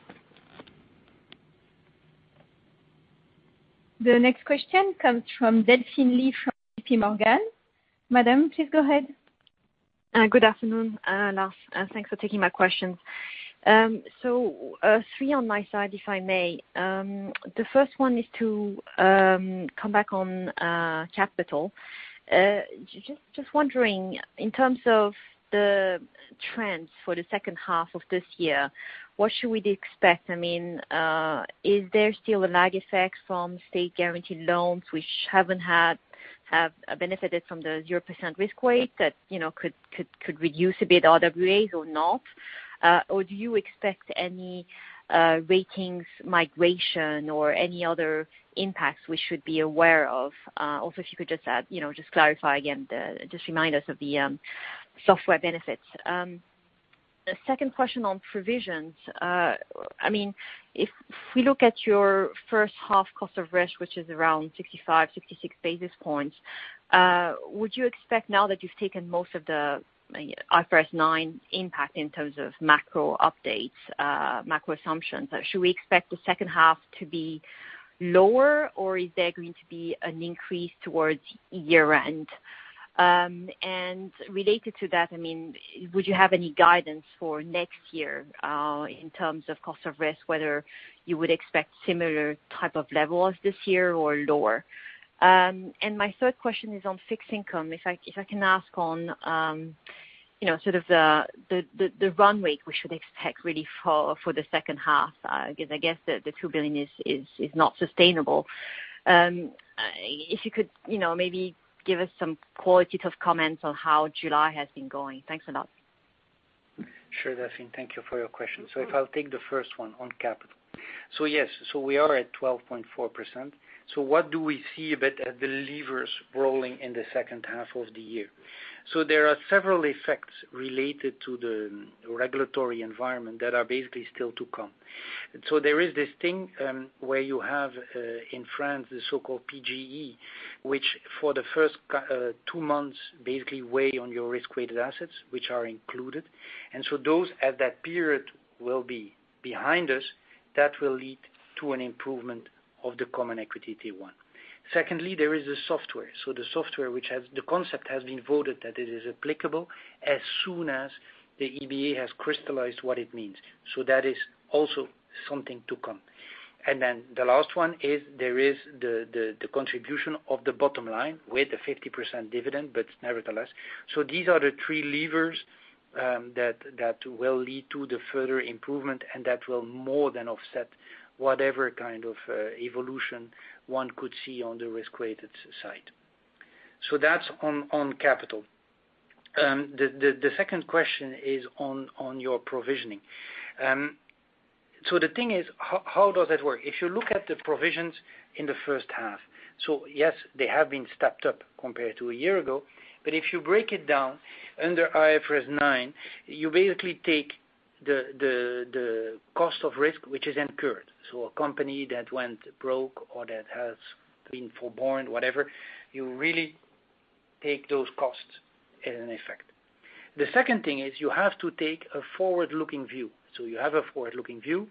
The next question comes from Delphine Lee from JPMorgan. Madam, please go ahead. Good afternoon, Lars. Thanks for taking my questions. Three on my side, if I may. The first one is to come back on capital. Just wondering, in terms of the trends for the second half of this year, what should we expect? Is there still a lag effect from state-guaranteed loans which haven't benefited from the 0% risk weight that could reduce a bit RWA or not? Do you expect any ratings migration or any other impacts we should be aware of? If you could just clarify again, just remind us of the software benefits. The second question on provisions. If we look at your first half cost of risk, which is around 65, 66 basis points, would you expect now that you've taken most of the IFRS 9 impact in terms of macro updates, macro assumptions, should we expect the second half to be lower, or is there going to be an increase towards year-end? Related to that, would you have any guidance for next year in terms of cost of risk, whether you would expect similar type of levels this year or lower? My third question is on fixed income, if I can ask on the runway we should expect really for the second half, because I guess the 2 billion is not sustainable. If you could maybe give us some qualitative comments on how July has been going. Thanks a lot. Sure, Delphine, thank you for your question. If I'll take the first one on capital. Yes, we are at 12.4%. What do we see a bit as the levers rolling in the second half of the year? There are several effects related to the regulatory environment that are basically still to come. There is this thing, where you have, in France, the so-called PGE, which, for the first two months, basically weigh on your risk-weighted assets, which are included. Those at that period will be behind us. That will lead to an improvement of the common equity T1. Secondly, there is the software. The software, the concept has been voted that it is applicable as soon as the EBA has crystallized what it means. That is also something to come. The last one is there is the contribution of the bottom line with the 50% dividend, but nevertheless. These are the three levers that will lead to the further improvement and that will more than offset whatever kind of evolution one could see on the risk-weighted side. That's on capital. The second question is on your provisioning. The thing is, how does that work? If you look at the provisions in the first half, yes, they have been stepped up compared to a year ago. If you break it down under IFRS 9, you basically take the cost of risk, which is incurred. A company that went broke or that has been forborne, whatever, you really take those costs as an effect. The second thing is you have to take a forward-looking view. You have a forward-looking view.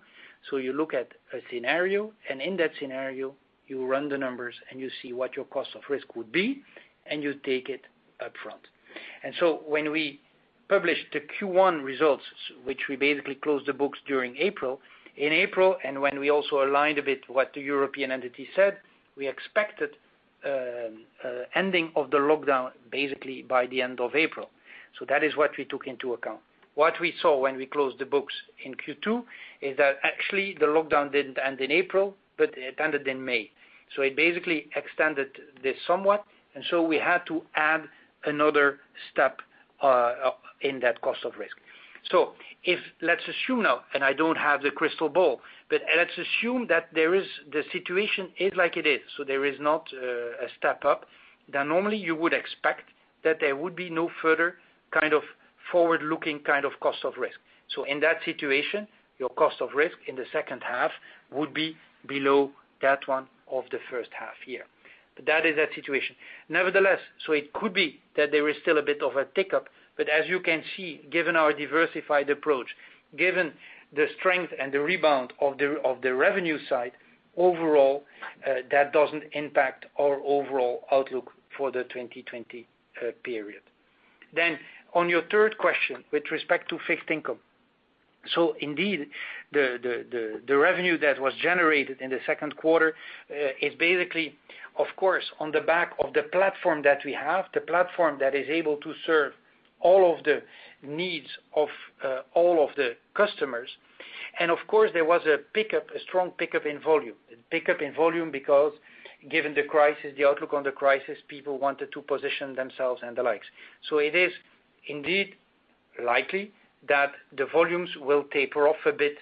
You look at a scenario, and in that scenario, you run the numbers, and you see what your cost of risk would be, and you take it upfront. When we published the Q1 results, which we basically closed the books during April, in April, and when we also aligned a bit what the European entity said, we expected ending of the lockdown basically by the end of April. That is what we took into account. What we saw when we closed the books in Q2 is that actually the lockdown didn't end in April, but it ended in May. It basically extended this somewhat, and so we had to add another step in that cost of risk. Let's assume now, and I don't have the crystal ball, but let's assume that the situation is like it is, so there is not a step up. Normally you would expect that there would be no further kind of forward-looking kind of cost of risk. In that situation, your cost of risk in the second half would be below that one of the first half year. That is that situation. Nevertheless, it could be that there is still a bit of a tick-up, but as you can see, given our diversified approach, given the strength and the rebound of the revenue side, overall, that doesn't impact our overall outlook for the 2020 period. On your third question with respect to fixed income. Indeed, the revenue that was generated in the second quarter is basically, of course, on the back of the platform that we have, the platform that is able to serve all of the needs of all of the customers. Of course, there was a strong pick-up in volume. A pick-up in volume because given the outlook on the crisis, people wanted to position themselves and the likes. It is indeed likely that the volumes will taper off a bit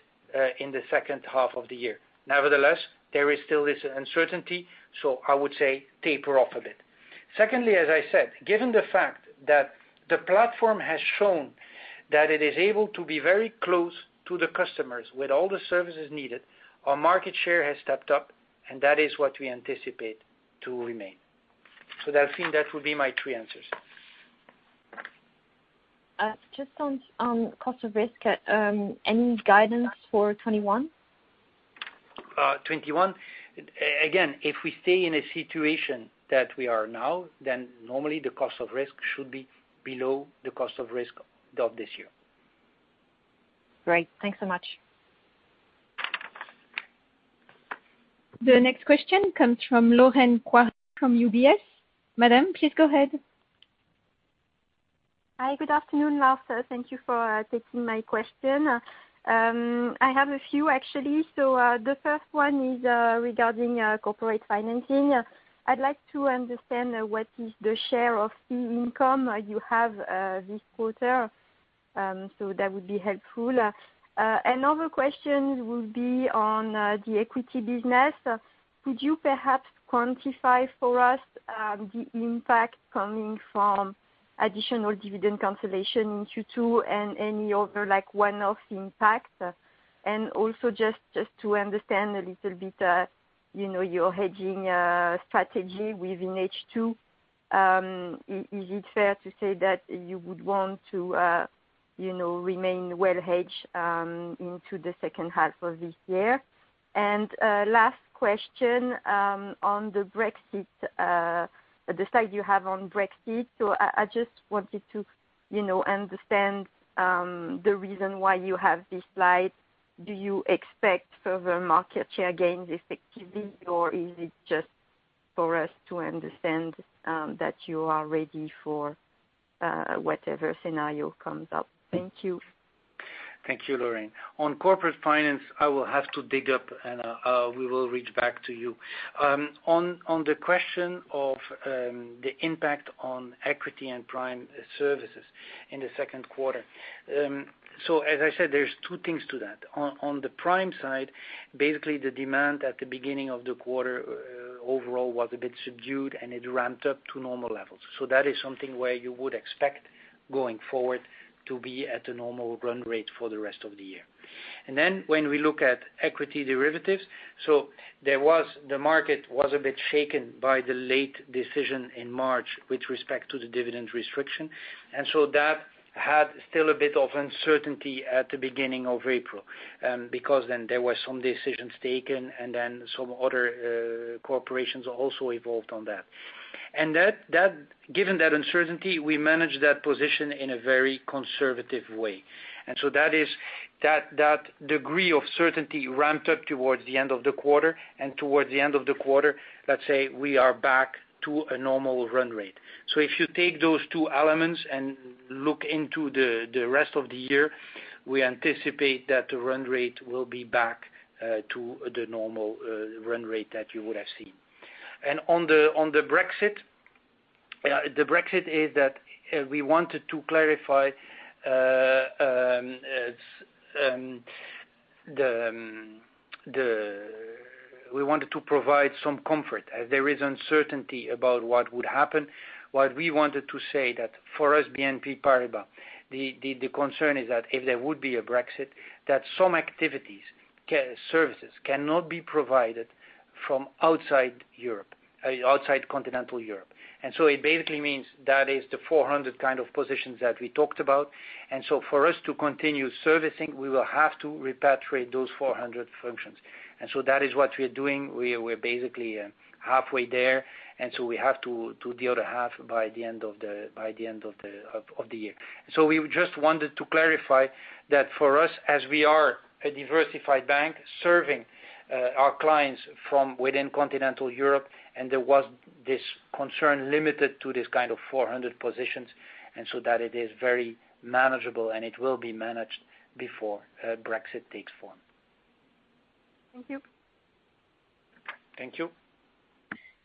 in the second half of the year. Nevertheless, there is still this uncertainty, so I would say taper off a bit. Secondly, as I said, given the fact that the platform has shown that it is able to be very close to the customers with all the services needed, our market share has stepped up, and that is what we anticipate to remain. Delphine, that would be my three answers. Just on cost of risk, any guidance for 2021? 2021? If we stay in a situation that we are now, normally the cost of risk should be below the cost of risk of this year. Great. Thanks so much. The next question comes from Lorraine Quoirez from UBS. Madam, please go ahead. Hi. Good afternoon, Lars. Thank you for taking my question. I have a few, actually. The first one is regarding corporate financing. I'd like to understand what is the share of fee income you have this quarter. That would be helpful. Another question would be on the equity business. Could you perhaps quantify for us the impact coming from additional dividend cancellation in Q2 and any other one-off impact? Also just to understand a little bit your hedging strategy within H2, is it fair to say that you would want to remain well hedged into the second half of this year. Last question, on the slide you have on Brexit. I just wanted to understand the reason why you have this slide. Do you expect further market share gains effectively, or is it just for us to understand that you are ready for whatever scenario comes up? Thank you. Thank you, Lorraine. On corporate finance, I will have to dig up and we will reach back to you. On the question of the impact on equity and Prime Services in the second quarter. As I said, there's two things to that. On the prime side, basically the demand at the beginning of the quarter overall was a bit subdued, and it ramped up to normal levels. That is something where you would expect going forward to be at a normal run rate for the rest of the year. When we look at equity derivatives, the market was a bit shaken by the late decision in March with respect to the dividend restriction. That had still a bit of uncertainty at the beginning of April, because there were some decisions taken, and some other corporations also evolved on that. Given that uncertainty, we managed that position in a very conservative way. That degree of certainty ramped up towards the end of the quarter, and towards the end of the quarter, let's say we are back to a normal run rate. If you take those two elements and look into the rest of the year, we anticipate that the run rate will be back to the normal run rate that you would have seen. On the Brexit, the Brexit is that we wanted to provide some comfort. There is uncertainty about what would happen. What we wanted to say that, for us, BNP Paribas, the concern is that if there would be a Brexit, that some activities, services cannot be provided from outside continental Europe. It basically means that is the 400 kind of positions that we talked about. For us to continue servicing, we will have to repatriate those 400 functions. That is what we are doing. We're basically halfway there, and so we have to do the other half by the end of the year. We just wanted to clarify that for us, as we are a diversified bank serving our clients from within continental Europe, and there was this concern limited to this kind of 400 positions, and so that it is very manageable, and it will be managed before Brexit takes form. Thank you. Thank you.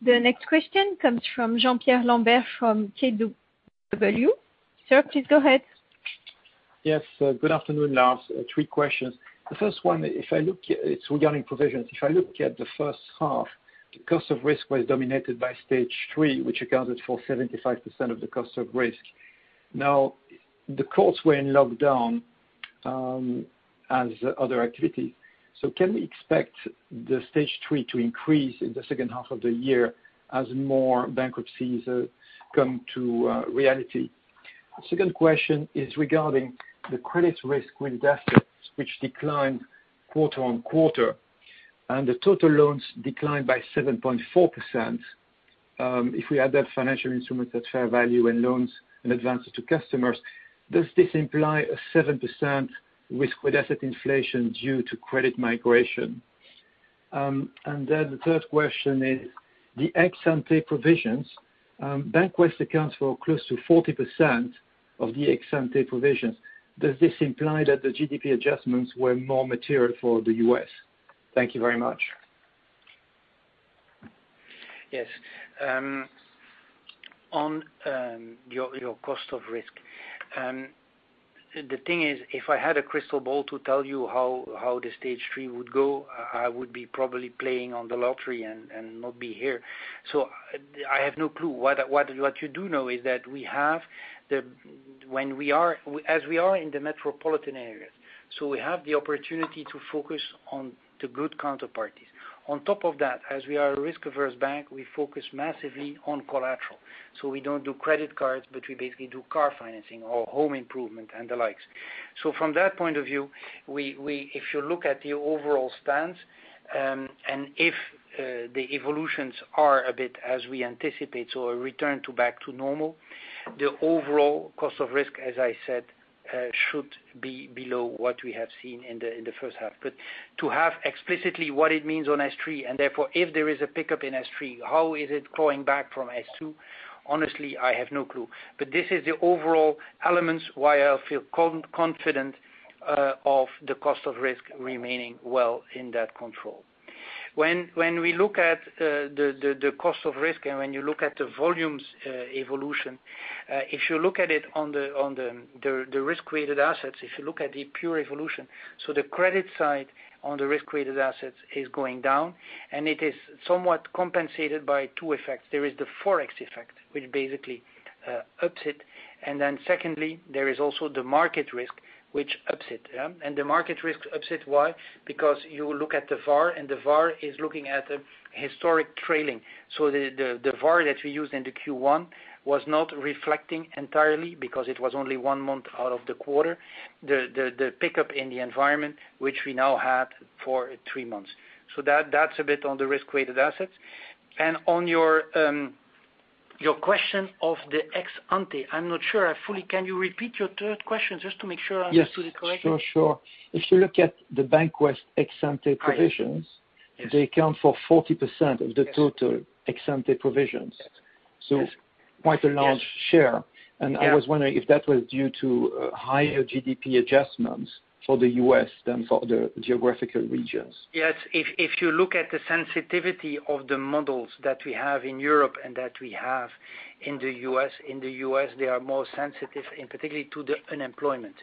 The next question comes from Jean-Pierre Lambert from KBW. Sir, please go ahead. Yes. Good afternoon, Lars. Three questions. The first one, it's regarding provisions. If I look at the first half, the cost of risk was dominated by stage 3, which accounted for 75% of the cost of risk. The courts were in lockdown, as other activities. Can we expect the stage 3 to increase in the second half of the year as more bankruptcies come to reality? Second question is regarding the credit risk with assets which declined quarter-on-quarter, and the total loans declined by 7.4%. If we add that financial instrument at fair value and loans in advance to customers, does this imply a 7% risk-weighted asset inflation due to credit migration? The third question is, the ex-ante provisions. BancWest accounts for close to 40% of the ex-ante provisions. Does this imply that the GDP adjustments were more material for the U.S.? Thank you very much. Yes. On your cost of risk. The thing is, if I had a crystal ball to tell you how the stage 3 would go, I would be probably playing on the lottery and not be here. I have no clue. What you do know is that as we are in the metropolitan areas, we have the opportunity to focus on the good counterparties. On top of that, as we are a risk-averse bank, we focus massively on collateral. We don't do credit cards, but we basically do car financing or home improvement and the likes. From that point of view, if you look at the overall stance, and if the evolutions are a bit as we anticipate, a return to back to normal, the overall cost of risk, as I said, should be below what we have seen in the first half. To have explicitly what it means on S3, and therefore, if there is a pickup in S3, how is it going back from S2? Honestly, I have no clue. This is the overall elements why I feel confident of the cost of risk remaining well in that control. When we look at the cost of risk and when you look at the volumes evolution, if you look at it on the risk-weighted assets, if you look at the pure evolution, so the credit side on the risk-weighted assets is going down, and it is somewhat compensated by two effects. There is the Forex effect, which basically ups it. Secondly, there is also the market risk. The market risk upset why? Because you look at the VaR, and the VaR is looking at the historic trailing. The VaR that we used in the Q1 was not reflecting entirely because it was only one month out of the quarter, the pickup in the environment, which we now had for three months. That's a bit on the risk-weighted assets. On your question of the ex-ante, I'm not sure I fully. Can you repeat your third question just to make sure I understood it correctly? Yes. Sure. If you look at the BancWest ex-ante provisions- Yes they account for 40% of the total ex-ante provisions. Yes. Quite a large share. Yes. I was wondering if that was due to higher GDP adjustments for the U.S. than for other geographical regions. Yes. If you look at the sensitivity of the models that we have in Europe and that we have in the U.S., in the U.S., they are more sensitive, in particular, to the unemployment.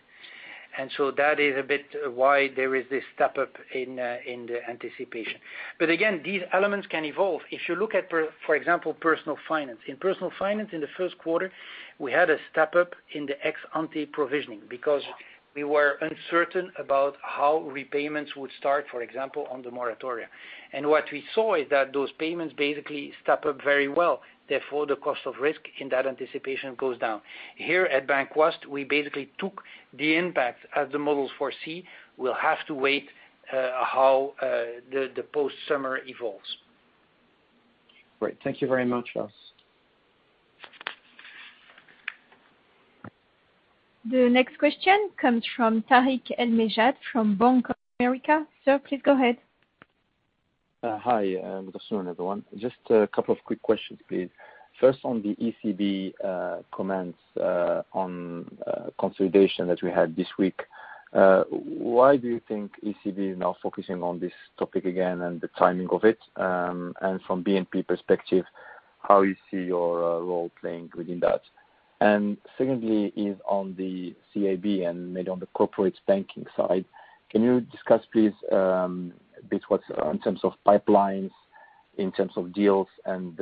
That is a bit why there is this step-up in the anticipation. Again, these elements can evolve. If you look at, for example, Personal Finance. In Personal Finance in the first quarter, we had a step-up in the ex-ante provisioning because we were uncertain about how repayments would start, for example, on the moratoria. What we saw is that those payments basically step up very well. Therefore, the cost of risk in that anticipation goes down. Here at BancWest, we basically took the impact as the models foresee. We'll have to wait how the post-summer evolves. Great. Thank you very much, Lars. The next question comes from Tarik El Mejjad, from Bank of America. Sir, please go ahead. Hi. Good afternoon, everyone. Just a couple of quick questions, please. First, on the ECB, comments, on consolidation that we had this week. Why do you think ECB is now focusing on this topic again and the timing of it? From BNP perspective, how you see your role playing within that? Secondly is on the CIB and maybe on the corporate banking side. Can you discuss, please, a bit what's in terms of pipelines, in terms of deals and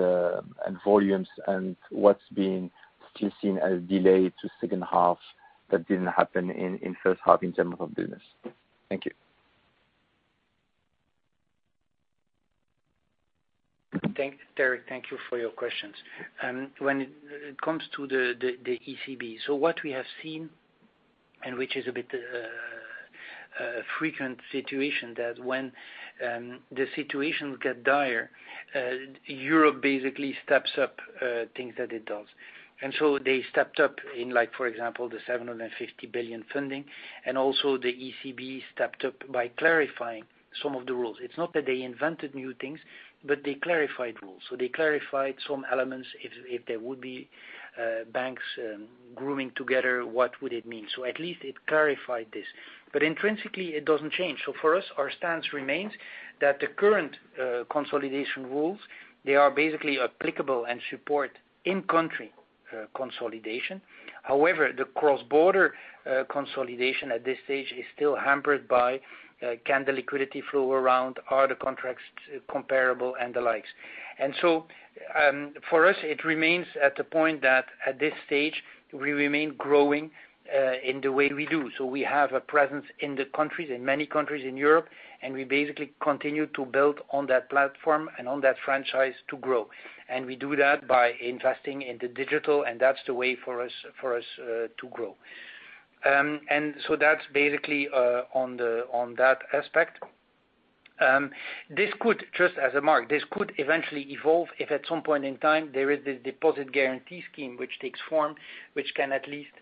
volumes and what's being still seen as delayed to second half that didn't happen in first half in terms of business? Thank you. Tarik, thank you for your questions. When it comes to the ECB, what we have seen, and which is a bit a frequent situation, that when the situations get dire, Europe basically steps up things that it does. They stepped up in, for example, the 750 billion funding, and also the ECB stepped up by clarifying some of the rules. It's not that they invented new things, but they clarified rules. They clarified some elements, if there would be banks grooming together, what would it mean? At least it clarified this. Intrinsically, it doesn't change. For us, our stance remains that the current consolidation rules, they are basically applicable and support in-country consolidation. However, the cross-border consolidation at this stage is still hampered by can the liquidity flow around, are the contracts comparable, and the likes. For us, it remains at the point that at this stage, we remain growing in the way we do. We have a presence in many countries in Europe, and we basically continue to build on that platform and on that franchise to grow. We do that by investing in the digital, and that's the way for us to grow. That's basically on that aspect. Just as a mark, this could eventually evolve if at some point in time there is this deposit guarantee scheme which takes form, which can at least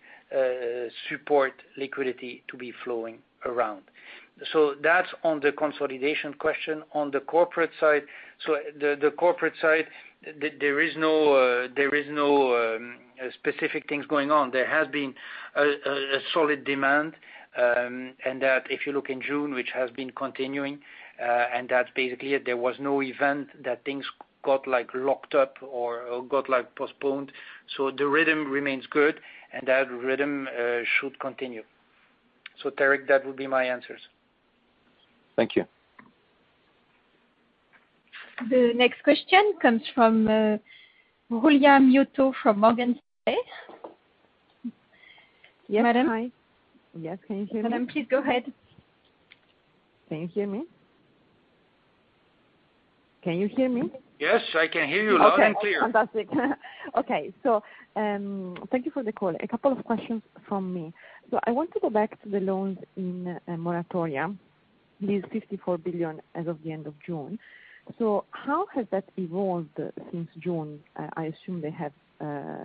support liquidity to be flowing around. That's on the consolidation question. On the corporate side, there is no specific things going on. There has been a solid demand, and that if you look in June, which has been continuing, and that basically there was no event that things got locked up or got postponed. The rhythm remains good and that rhythm should continue. Tariq, that would be my answers. Thank you. The next question comes from Giulia Miotto from Morgan Stanley. Yes. Hi. Madam. Yes. Can you hear me? Madam, please go ahead. Can you hear me? Can you hear me? Yes, I can hear you loud and clear. Okay. Fantastic. Okay. Thank you for the call. A couple of questions from me. I want to go back to the loans in moratoria, this 54 billion as of the end of June. How has that evolved since June? I assume they have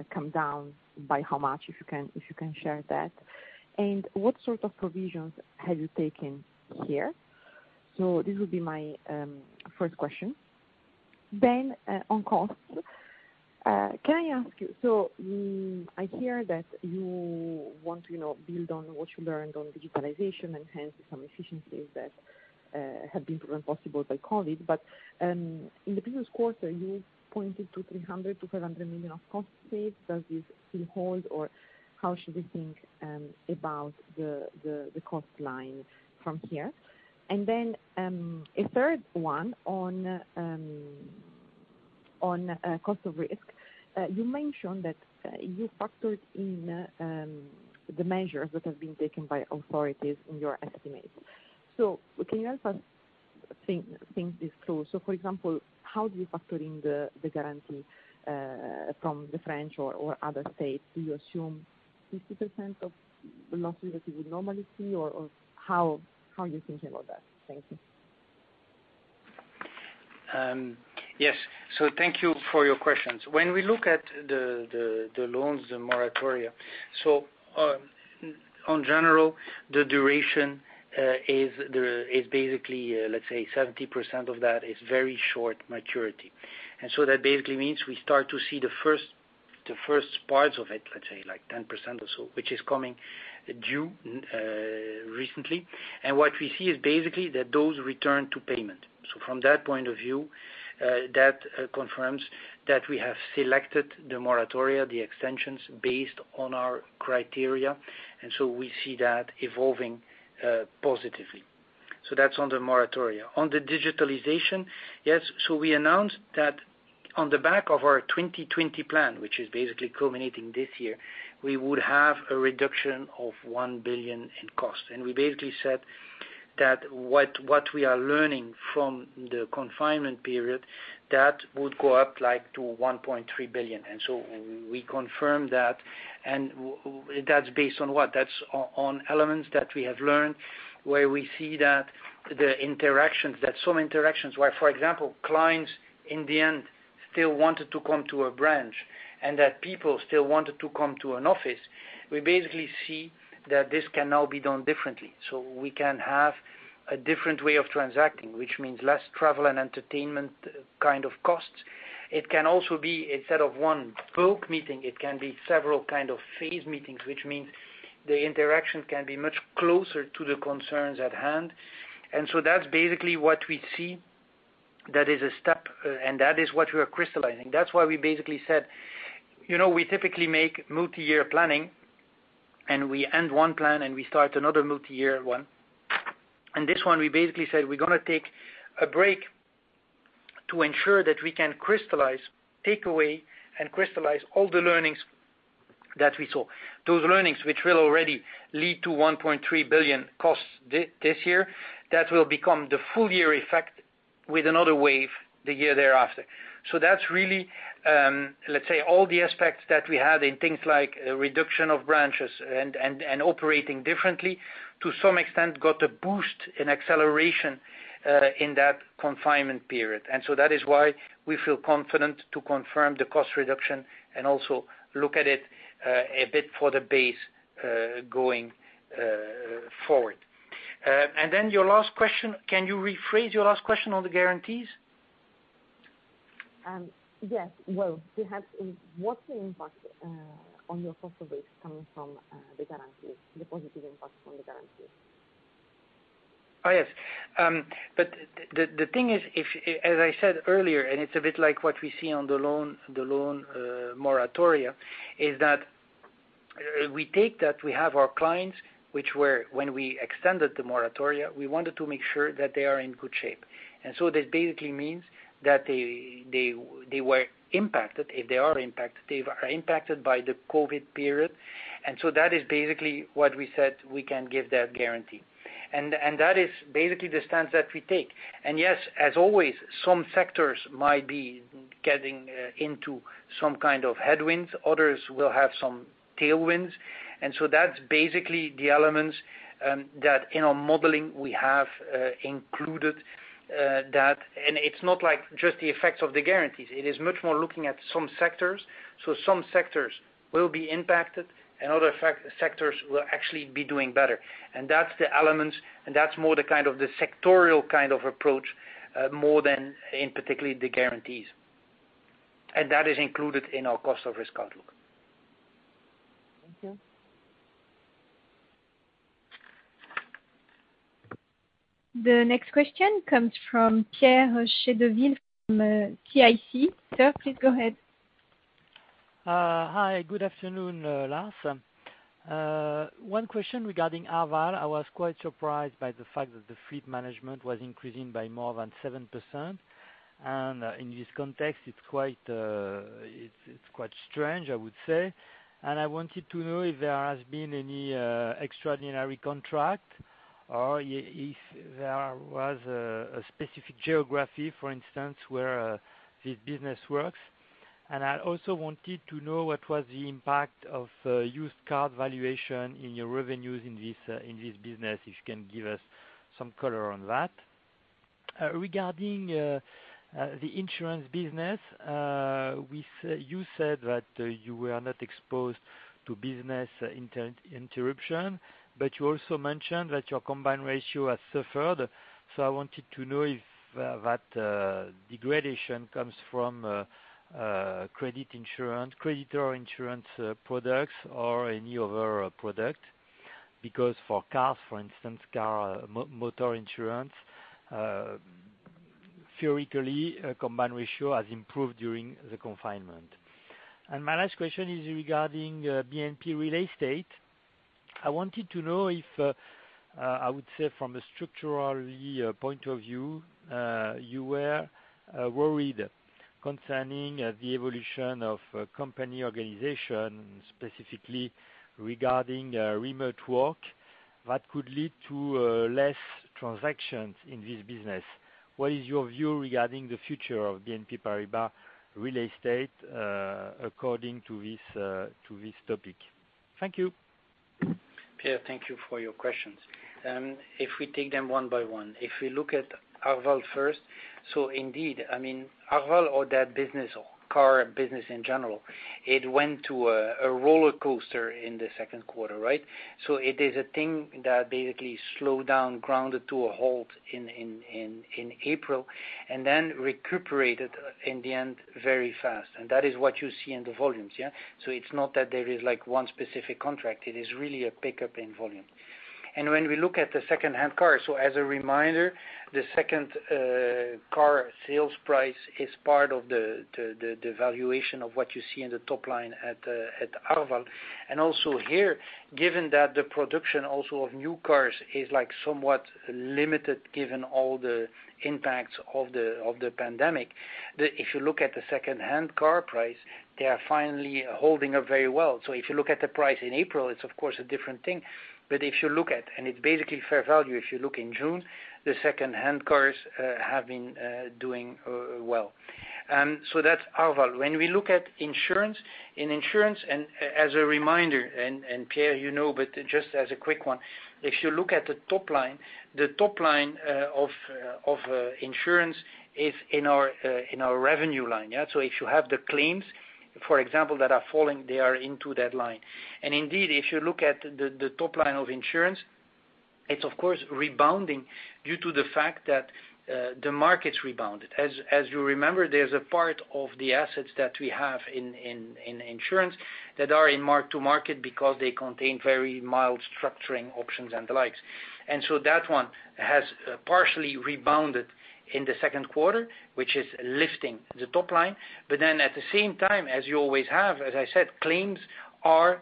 come down. By how much, if you can share that? What sort of provisions have you taken here? This would be my first question. On costs, can I ask you, I hear that you want to build on what you learned on digitalization and hence some efficiencies that have been proven possible by colleague, but in the previous quarter, you pointed to 300 million-500 million of cost save. Does this still hold, or how should we think about the cost line from here? A third one On cost of risk, you mentioned that you factored in the measures that have been taken by authorities in your estimate. Can you help us think this through? For example, how do you factor in the guarantee from the French or other states? Do you assume 50% of the losses that you would normally see, or how are you thinking about that? Thank you. Yes. Thank you for your questions. When we look at the loans, the moratoria, so on general, the duration is basically, let's say, 70% of that is very short maturity. That basically means we start to see the first parts of it, let's say like 10% or so, which is coming due recently. What we see is basically that those return to payment. From that point of view, that confirms that we have selected the moratoria, the extensions, based on our criteria. We see that evolving positively. That's on the moratoria. On the digitalization, yes, so we announced that on the back of our 2020 plan, which is basically culminating this year, we would have a reduction of 1 billion in cost. We basically said that what we are learning from the confinement period, that would go up like to 1.3 billion. We confirm that, and that's based on what? That's on elements that we have learned, where we see that some interactions where, for example, clients in the end still wanted to come to a branch, and that people still wanted to come to an office. We basically see that this can now be done differently. We can have a different way of transacting, which means less travel and entertainment costs. It can also be, instead of one bulk meeting, it can be several phase meetings, which means the interactions can be much closer to the concerns at hand. That's basically what we see. That is a step, and that is what we are crystallizing. That's why we basically said we typically make multi-year planning, we end one plan and we start another multi-year one. This one, we basically said, we are going to take a break to ensure that we can take away and crystallize all the learnings that we saw. Those learnings, which will already lead to 1.3 billion costs this year, that will become the full year effect with another wave the year thereafter. That is really, let's say all the aspects that we had in things like reduction of branches and operating differently to some extent got a boost in acceleration in that confinement period. That is why we feel confident to confirm the cost reduction and also look at it a bit for the base going forward. Your last question, can you rephrase your last question on the guarantees? Yes. Well, what's the impact on your cost of risk coming from the guarantees, the positive impact from the guarantees? Yes. The thing is, as I said earlier, and it's a bit like what we see on the loan moratoria, is that we take that we have our clients, which when we extended the moratoria, we wanted to make sure that they are in good shape. This basically means that they were impacted, if they are impacted, they are impacted by the COVID period. That is basically what we said we can give that guarantee. That is basically the stance that we take. Yes, as always, some sectors might be getting into some kind of headwinds, others will have some tailwinds. That's basically the elements that in our modeling, we have included that. It's not like just the effects of the guarantees. It is much more looking at some sectors. Some sectors will be impacted and other sectors will actually be doing better. That's the elements, and that's more the kind of the sectorial kind of approach, more than in particularly the guarantees. That is included in our cost of risk outlook. Thank you. The next question comes from Pierre Chedeville from CIC. Sir, please go ahead. Hi, good afternoon, Lars. One question regarding Arval. I was quite surprised by the fact that the fleet management was increasing by more than 7%. In this context, it's quite strange, I would say. I wanted to know if there has been any extraordinary contract or if there was a specific geography, for instance, where this business works. I also wanted to know what was the impact of used car valuation in your revenues in this business, if you can give us some color on that. Regarding the insurance business, you said that you were not exposed to business interruption, but you also mentioned that your combined ratio has suffered. I wanted to know if that degradation comes from credit insurance, creditor insurance products, or any other product. For cars, for instance, car motor insurance, theoretically, combined ratio has improved during the confinement. My last question is regarding BNP Paribas Real Estate. I wanted to know if, I would say from a structural point of view, you were worried concerning the evolution of company organization, specifically regarding remote work that could lead to less transactions in this business. What is your view regarding the future of BNP Paribas Real Estate according to this topic? Thank you. Pierre, thank you for your questions. If we take them one by one, if we look at Arval first. Indeed, Arval or that business or car business in general, it went to a rollercoaster in the second quarter, right? It is a thing that basically slowed down, grounded to a halt in April, then recuperated in the end very fast. That is what you see in the volumes, yeah? It's not that there is one specific contract, it is really a pickup in volume. When we look at the secondhand cars, as a reminder, the second car sales price is part of the valuation of what you see in the top line at Arval. Also here, given that the production also of new cars is somewhat limited given all the impacts of the pandemic, if you look at the secondhand car price, they are finally holding up very well. If you look at the price in April, it's of course a different thing. If you look at, and it's basically fair value, if you look in June, the secondhand cars have been doing well. That's Arval. When we look at insurance, in insurance, and as a reminder, and Pierre you know, but just as a quick one, if you look at the top line, the top line of insurance is in our revenue line. If you have the claims, for example, that are falling, they are into that line. Indeed, if you look at the top line of insurance, it's of course rebounding due to the fact that the market's rebounded. As you remember, there's a part of the assets that we have in insurance that are in mark-to-market because they contain very mild structuring options and the likes. That one has partially rebounded in the second quarter, which is lifting the top line. At the same time, as you always have, as I said, claims are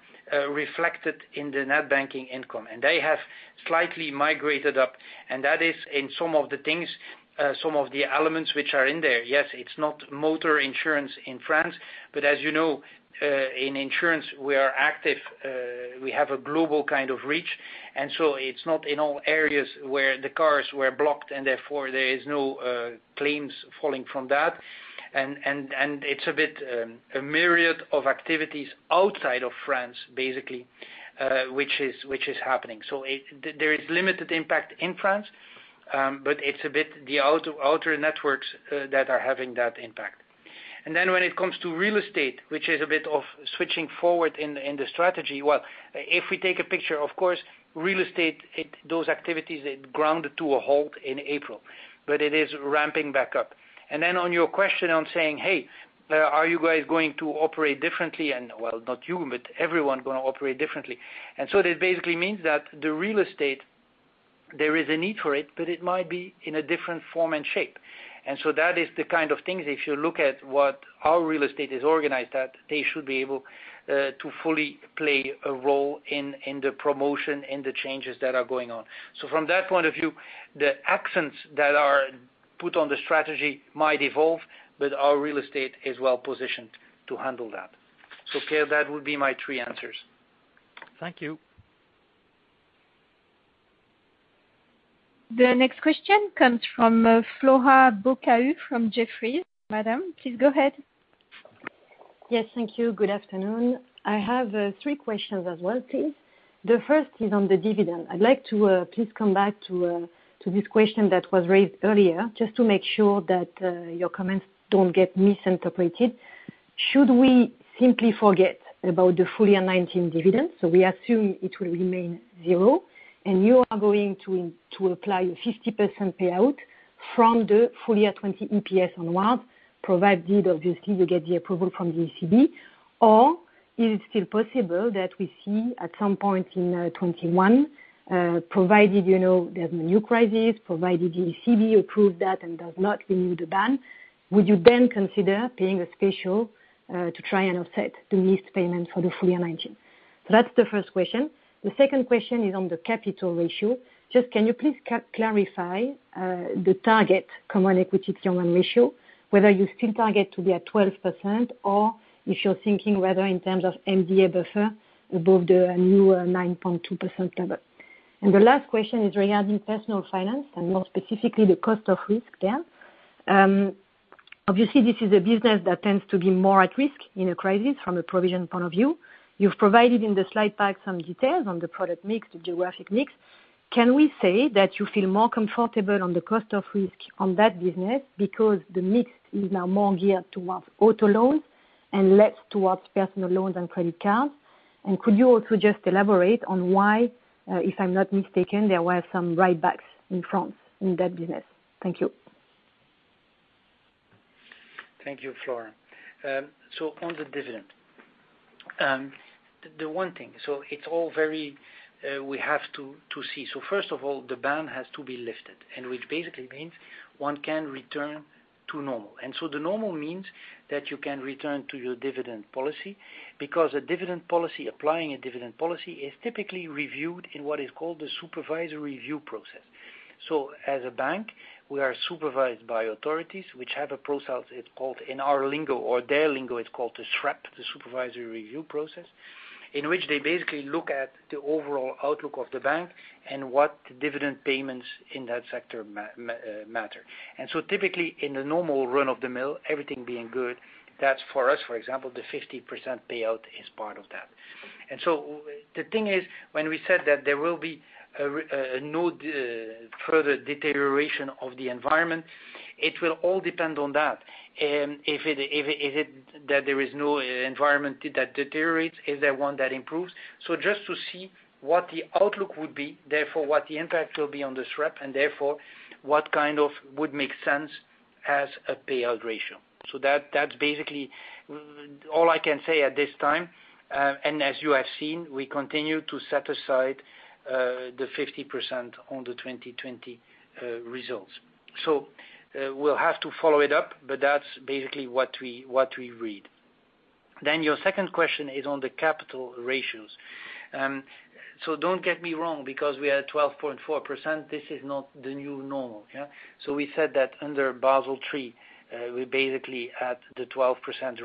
reflected in the net banking income, and they have slightly migrated up. That is in some of the things, some of the elements which are in there. Yes, it's not motor insurance in France, but as you know, in insurance, we are active. We have a global kind of reach, and so it's not in all areas where the cars were blocked, and therefore, there is no claims falling from that. It's a bit a myriad of activities outside of France, basically, which is happening. There is limited impact in France, but it's a bit the outer networks that are having that impact. When it comes to real estate, which is a bit of switching forward in the strategy, well, if we take a picture, of course, real estate, those activities, they grounded to a halt in April, but it is ramping back up. On your question on saying, "Hey, are you guys going to operate differently?" Well, not you, but everyone going to operate differently. This basically means that the real estate, there is a need for it, but it might be in a different form and shape. That is the kind of things, if you look at how real estate is organized, that they should be able to fully play a role in the promotion and the changes that are going on. From that point of view, the accents that are put on the strategy might evolve, but our real estate is well-positioned to handle that. Pierre, that would be my three answers. Thank you. The next question comes from Flora Bocahut from Jefferies. Madam, please go ahead. Yes. Thank you. Good afternoon. I have three questions as well, please. The first is on the dividend. I'd like to please come back to this question that was raised earlier, just to make sure that your comments don't get misinterpreted. Should we simply forget about the full-year 2019 dividend? We assume it will remain zero, and you are going to apply a 50% payout from the full-year 2020 EPS onward, provided obviously you get the approval from the ECB, or is it still possible that we see at some point in 2021, provided there's no new crisis, provided the ECB approves that and does not renew the ban, would you then consider paying a special to try and offset the missed payment for the full-year 2019? That's the first question. The second question is on the capital ratio. Just can you please clarify the target Common Equity Tier 1 ratio, whether you still target to be at 12% or if you're thinking whether in terms of MDA buffer above the new 9.2% level? The last question is regarding personal finance and more specifically, the cost of risk there. Obviously, this is a business that tends to be more at risk in a crisis from a provision point of view. You've provided in the slide pack some details on the product mix, the geographic mix. Can we say that you feel more comfortable on the cost of risk on that business because the mix is now more geared towards auto loans and less towards personal loans and credit cards? Could you also just elaborate on why, if I'm not mistaken, there were some write-backs in France in that business? Thank you. Thank you, Flora. On the dividend. The one thing, it's all very, we have to see. First of all, the ban has to be lifted, and which basically means one can return to normal. The normal means that you can return to your dividend policy, because applying a dividend policy is typically reviewed in what is called the Supervisory Review Process. As a bank, we are supervised by authorities which have a process, in our lingo or their lingo, it's called the SREP, the Supervisory Review Process, in which they basically look at the overall outlook of the bank and what dividend payments in that sector matter. Typically in the normal run-of-the-mill, everything being good, that's for us, for example, the 50% payout is part of that. The thing is, when we said that there will be no further deterioration of the environment, it will all depend on that. If there is no environment that deteriorates, is there one that improves? Just to see what the outlook would be, therefore what the impact will be on the SREP, and therefore what would make sense as a payout ratio. That's basically all I can say at this time. As you have seen, we continue to set aside the 50% on the 2020 results. We'll have to follow it up, but that's basically what we read. Your second question is on the capital ratios. Don't get me wrong because we are at 12.4%, this is not the new normal. We said that under Basel III, we're basically at the 12%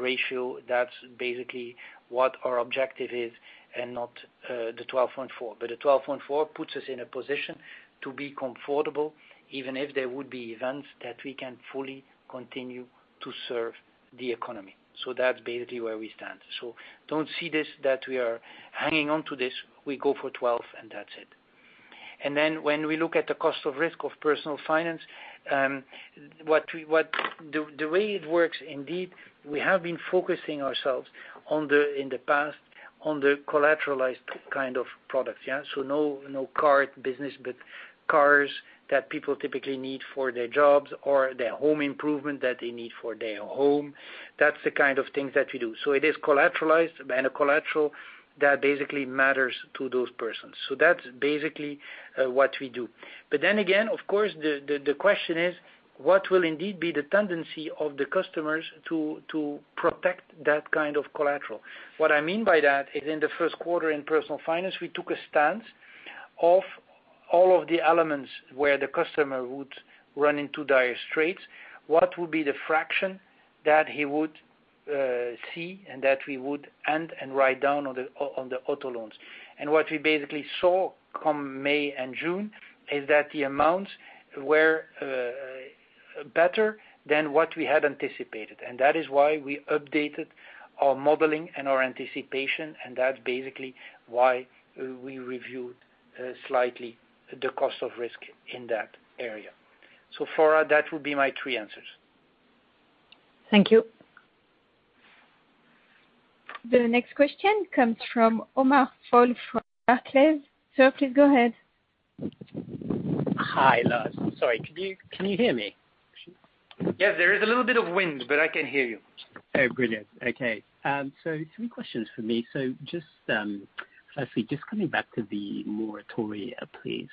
ratio. That's basically what our objective is and not the 12.4. The 12.4 puts us in a position to be comfortable, even if there would be events that we can fully continue to serve the economy. That's basically where we stand. Don't see this that we are hanging on to this. We go for 12, and that's it. When we look at the cost of risk of personal finance, the way it works, indeed, we have been focusing ourselves in the past on the collateralized kind of products. No car business, but cars that people typically need for their jobs or their home improvement that they need for their home. That's the kind of things that we do. It is collateralized and a collateral that basically matters to those persons. That's basically what we do. Again, of course, the question is what will indeed be the tendency of the customers to protect that kind of collateral. What I mean by that is in the first quarter in Personal Finance, we took a stance of all of the elements where the customer would run into dire straits, what would be the fraction that he would see and that we would end and write down on the auto loans. What we basically saw come May and June is that the amounts were better than what we had anticipated, and that is why we updated our modeling and our anticipation, and that's basically why we reviewed slightly the cost of risk in that area. Flora, that would be my three answers. Thank you. The next question comes from Omar Fall from Barclays. Sir, please go ahead. Hi, Lars. Sorry, can you hear me? Yes, there is a little bit of wind, but I can hear you. Oh, brilliant. Okay. Three questions for me. Just, firstly, just coming back to the moratoria, please.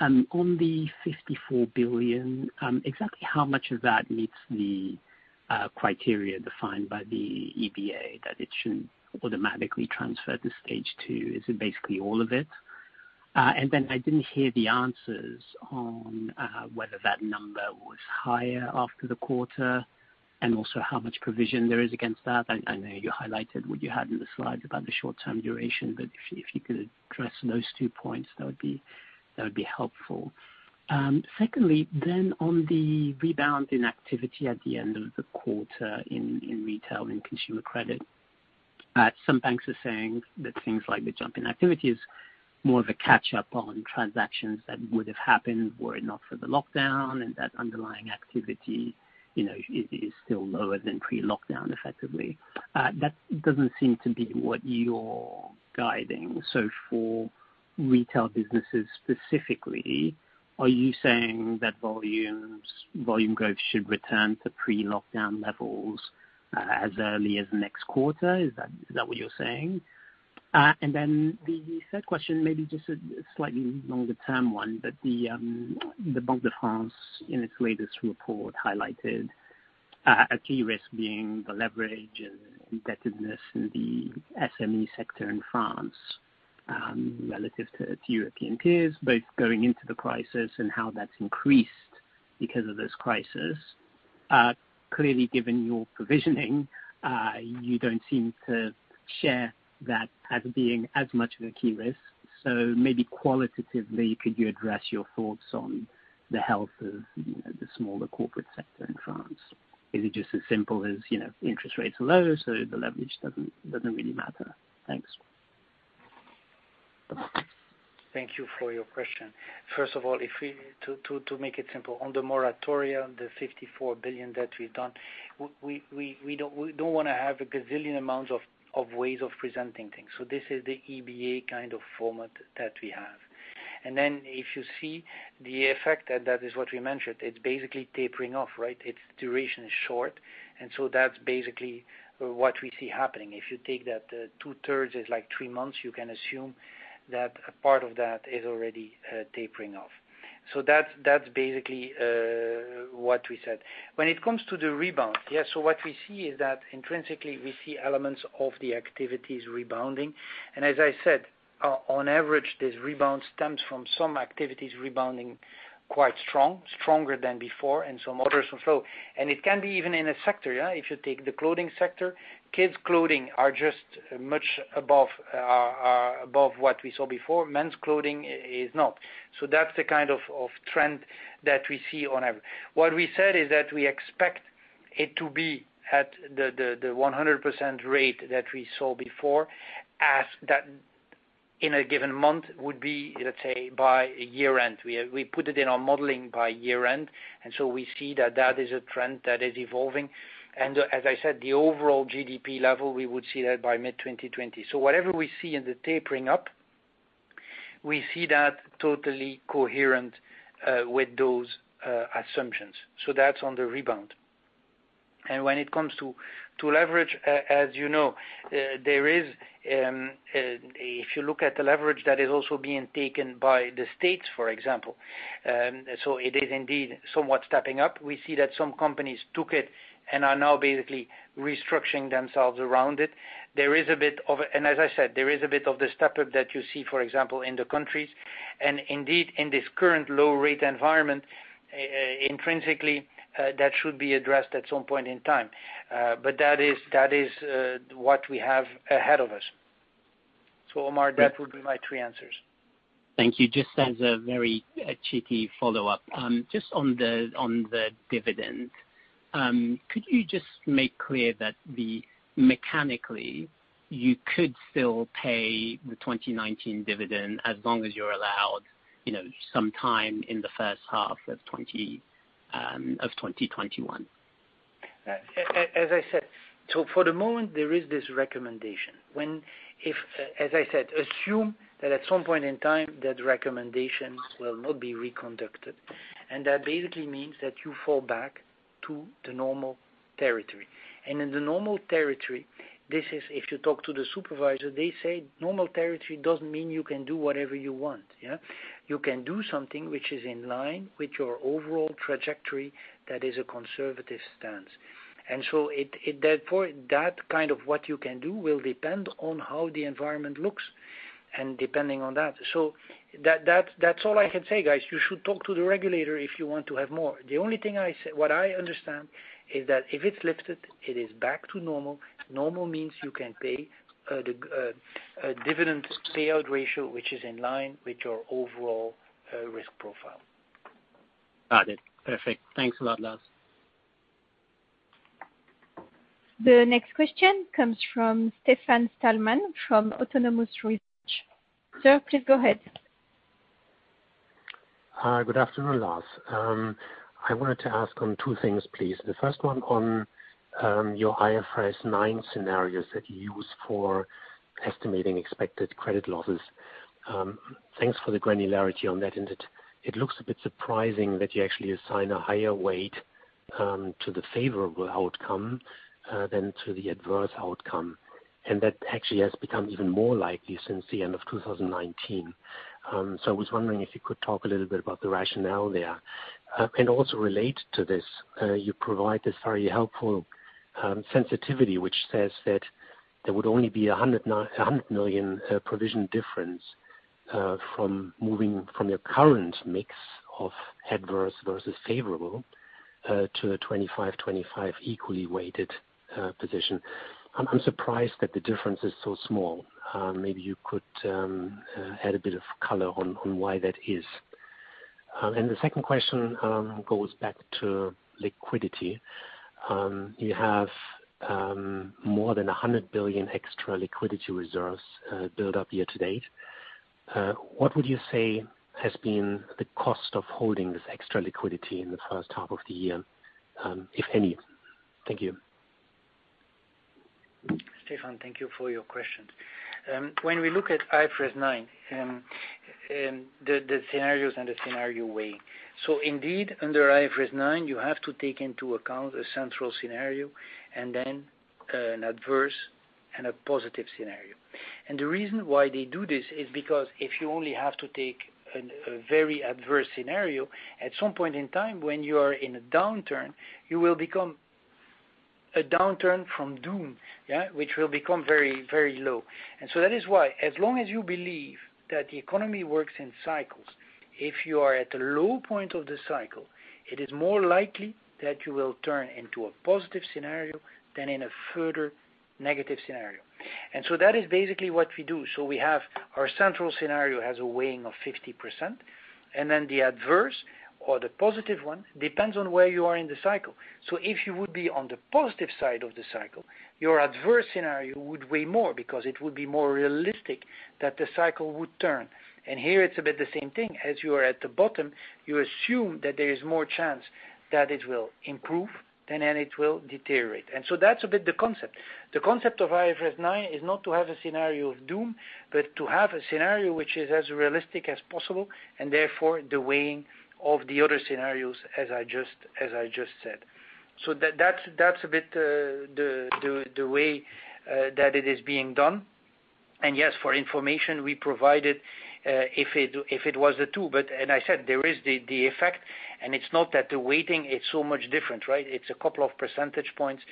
On the 54 billion, exactly how much of that meets the criteria defined by the EBA that it should automatically transfer to stage 2? Is it basically all of it? I didn't hear the answers on whether that number was higher after the quarter and also how much provision there is against that. I know you highlighted what you had in the slides about the short-term duration, if you could address those two points, that would be helpful. Secondly, on the rebound in activity at the end of the quarter in retail and consumer credit. Some banks are saying that things like the jump in activity is more of a catch-up on transactions that would have happened were it not for the lockdown, and that underlying activity is still lower than pre-lockdown effectively. That doesn't seem to be what you're guiding. For retail businesses specifically, are you saying that volume growth should return to pre-lockdown levels as early as next quarter? Is that what you're saying? The third question, maybe just a slightly longer-term one, but the Banque de France in its latest report highlighted a key risk being the leverage and indebtedness in the SME sector in France relative to European peers, both going into the crisis and how that's increased because of this crisis. Clearly, given your provisioning, you don't seem to share that as being as much of a key risk. Maybe qualitatively, could you address your thoughts on the health of the smaller corporate sector in France? Is it just as simple as interest rates are low, so the leverage doesn't really matter? Thanks. Thank you for your question. First of all, to make it simple, on the moratoria, the 54 billion that we've done, we don't want to have a gazillion amount of ways of presenting things. This is the EBA kind of format that we have. If you see the effect, and that is what we mentioned, it's basically tapering off, right? Its duration is short, that's basically what we see happening. If you take that two-thirds is like three months, you can assume that a part of that is already tapering off. That's basically what we said. When it comes to the rebound, what we see is that intrinsically we see elements of the activities rebounding. As I said, on average, this rebound stems from some activities rebounding quite strong, stronger than before, and some others also. It can be even in a sector. If you take the clothing sector, kids clothing are just much above what we saw before. Men's clothing is not. That's the kind of trend that we see on average. What we said is that we expect it to be at the 100% rate that we saw before as that in a given month would be, let's say, by year-end. We put it in our modeling by year-end, we see that that is a trend that is evolving. As I said, the overall GDP level, we would see that by mid-2020. Whatever we see in the tapering up, we see that totally coherent with those assumptions. That's on the rebound. When it comes to leverage, as you know, if you look at the leverage that is also being taken by the states, for example. It is indeed somewhat stepping up. We see that some companies took it and are now basically restructuring themselves around it. There is a bit of, and as I said, there is a bit of the step-up that you see, for example, in the countries. Indeed, in this current low-rate environment, intrinsically, that should be addressed at some point in time. That is what we have ahead of us. Omar, that would be my three answers. Thank you. Just as a very cheeky follow-up, just on the dividend, could you just make clear that mechanically, you could still pay the 2019 dividend as long as you're allowed some time in the first half of 2021? As I said, for the moment, there is this recommendation. As I said, assume that at some point in time, that recommendation will not be reconducted, and that basically means that you fall back to the normal territory. In the normal territory, this is if you talk to the supervisor, they say normal territory doesn't mean you can do whatever you want. You can do something which is in line with your overall trajectory that is a conservative stance. At that point, that kind of what you can do will depend on how the environment looks and depending on that. That's all I can say, guys. You should talk to the regulator if you want to have more. The only thing what I understand is that if it's lifted, it is back to normal. Normal means you can pay a dividend payout ratio, which is in line with your overall risk profile. Got it. Perfect. Thanks a lot, Lars. The next question comes from Stefan Stalmann from Autonomous Research. Sir, please go ahead. Hi. Good afternoon, Lars. I wanted to ask on two things, please. The first one on your IFRS 9 scenarios that you use for estimating expected credit losses. Thanks for the granularity on that, and it looks a bit surprising that you actually assign a higher weight to the favorable outcome than to the adverse outcome, and that actually has become even more likely since the end of 2019. I was wondering if you could talk a little bit about the rationale there. Also related to this you provide this very helpful sensitivity, which says that there would only be 100 million provision difference from moving from your current mix of adverse versus favorable to a 25/25 equally weighted position. I'm surprised that the difference is so small. Maybe you could add a bit of color on why that is. The second question goes back to liquidity. You have more than 100 billion extra liquidity reserves built up year to date. What would you say has been the cost of holding this extra liquidity in the first half of the year, if any? Thank you. Stefan, thank you for your questions. When we look at IFRS 9, the scenarios and the scenario weight. Indeed, under IFRS 9, you have to take into account a central scenario and then an adverse and a positive scenario. The reason why they do this is because if you only have to take a very adverse scenario, at some point in time when you are in a downturn, you will become a downturn from doom. Which will become very low. That is why, as long as you believe that the economy works in cycles, if you are at the low point of the cycle, it is more likely that you will turn into a positive scenario than in a further negative scenario. That is basically what we do. We have our central scenario has a weighing of 50%, and then the adverse or the positive one depends on where you are in the cycle. If you would be on the positive side of the cycle, your adverse scenario would weigh more because it would be more realistic that the cycle would turn. Here it's a bit the same thing. As you are at the bottom, you assume that there is more chance that it will improve, than that it will deteriorate. That's a bit the concept. The concept of IFRS 9 is not to have a scenario of doom, but to have a scenario which is as realistic as possible, and therefore the weighing of the other scenarios, as I just said. That's a bit the way that it is being done. Yes, for information we provided, if it was the two, but as I said, there is the effect and it's not that the weighting is so much different, right? It's a couple of percentage points,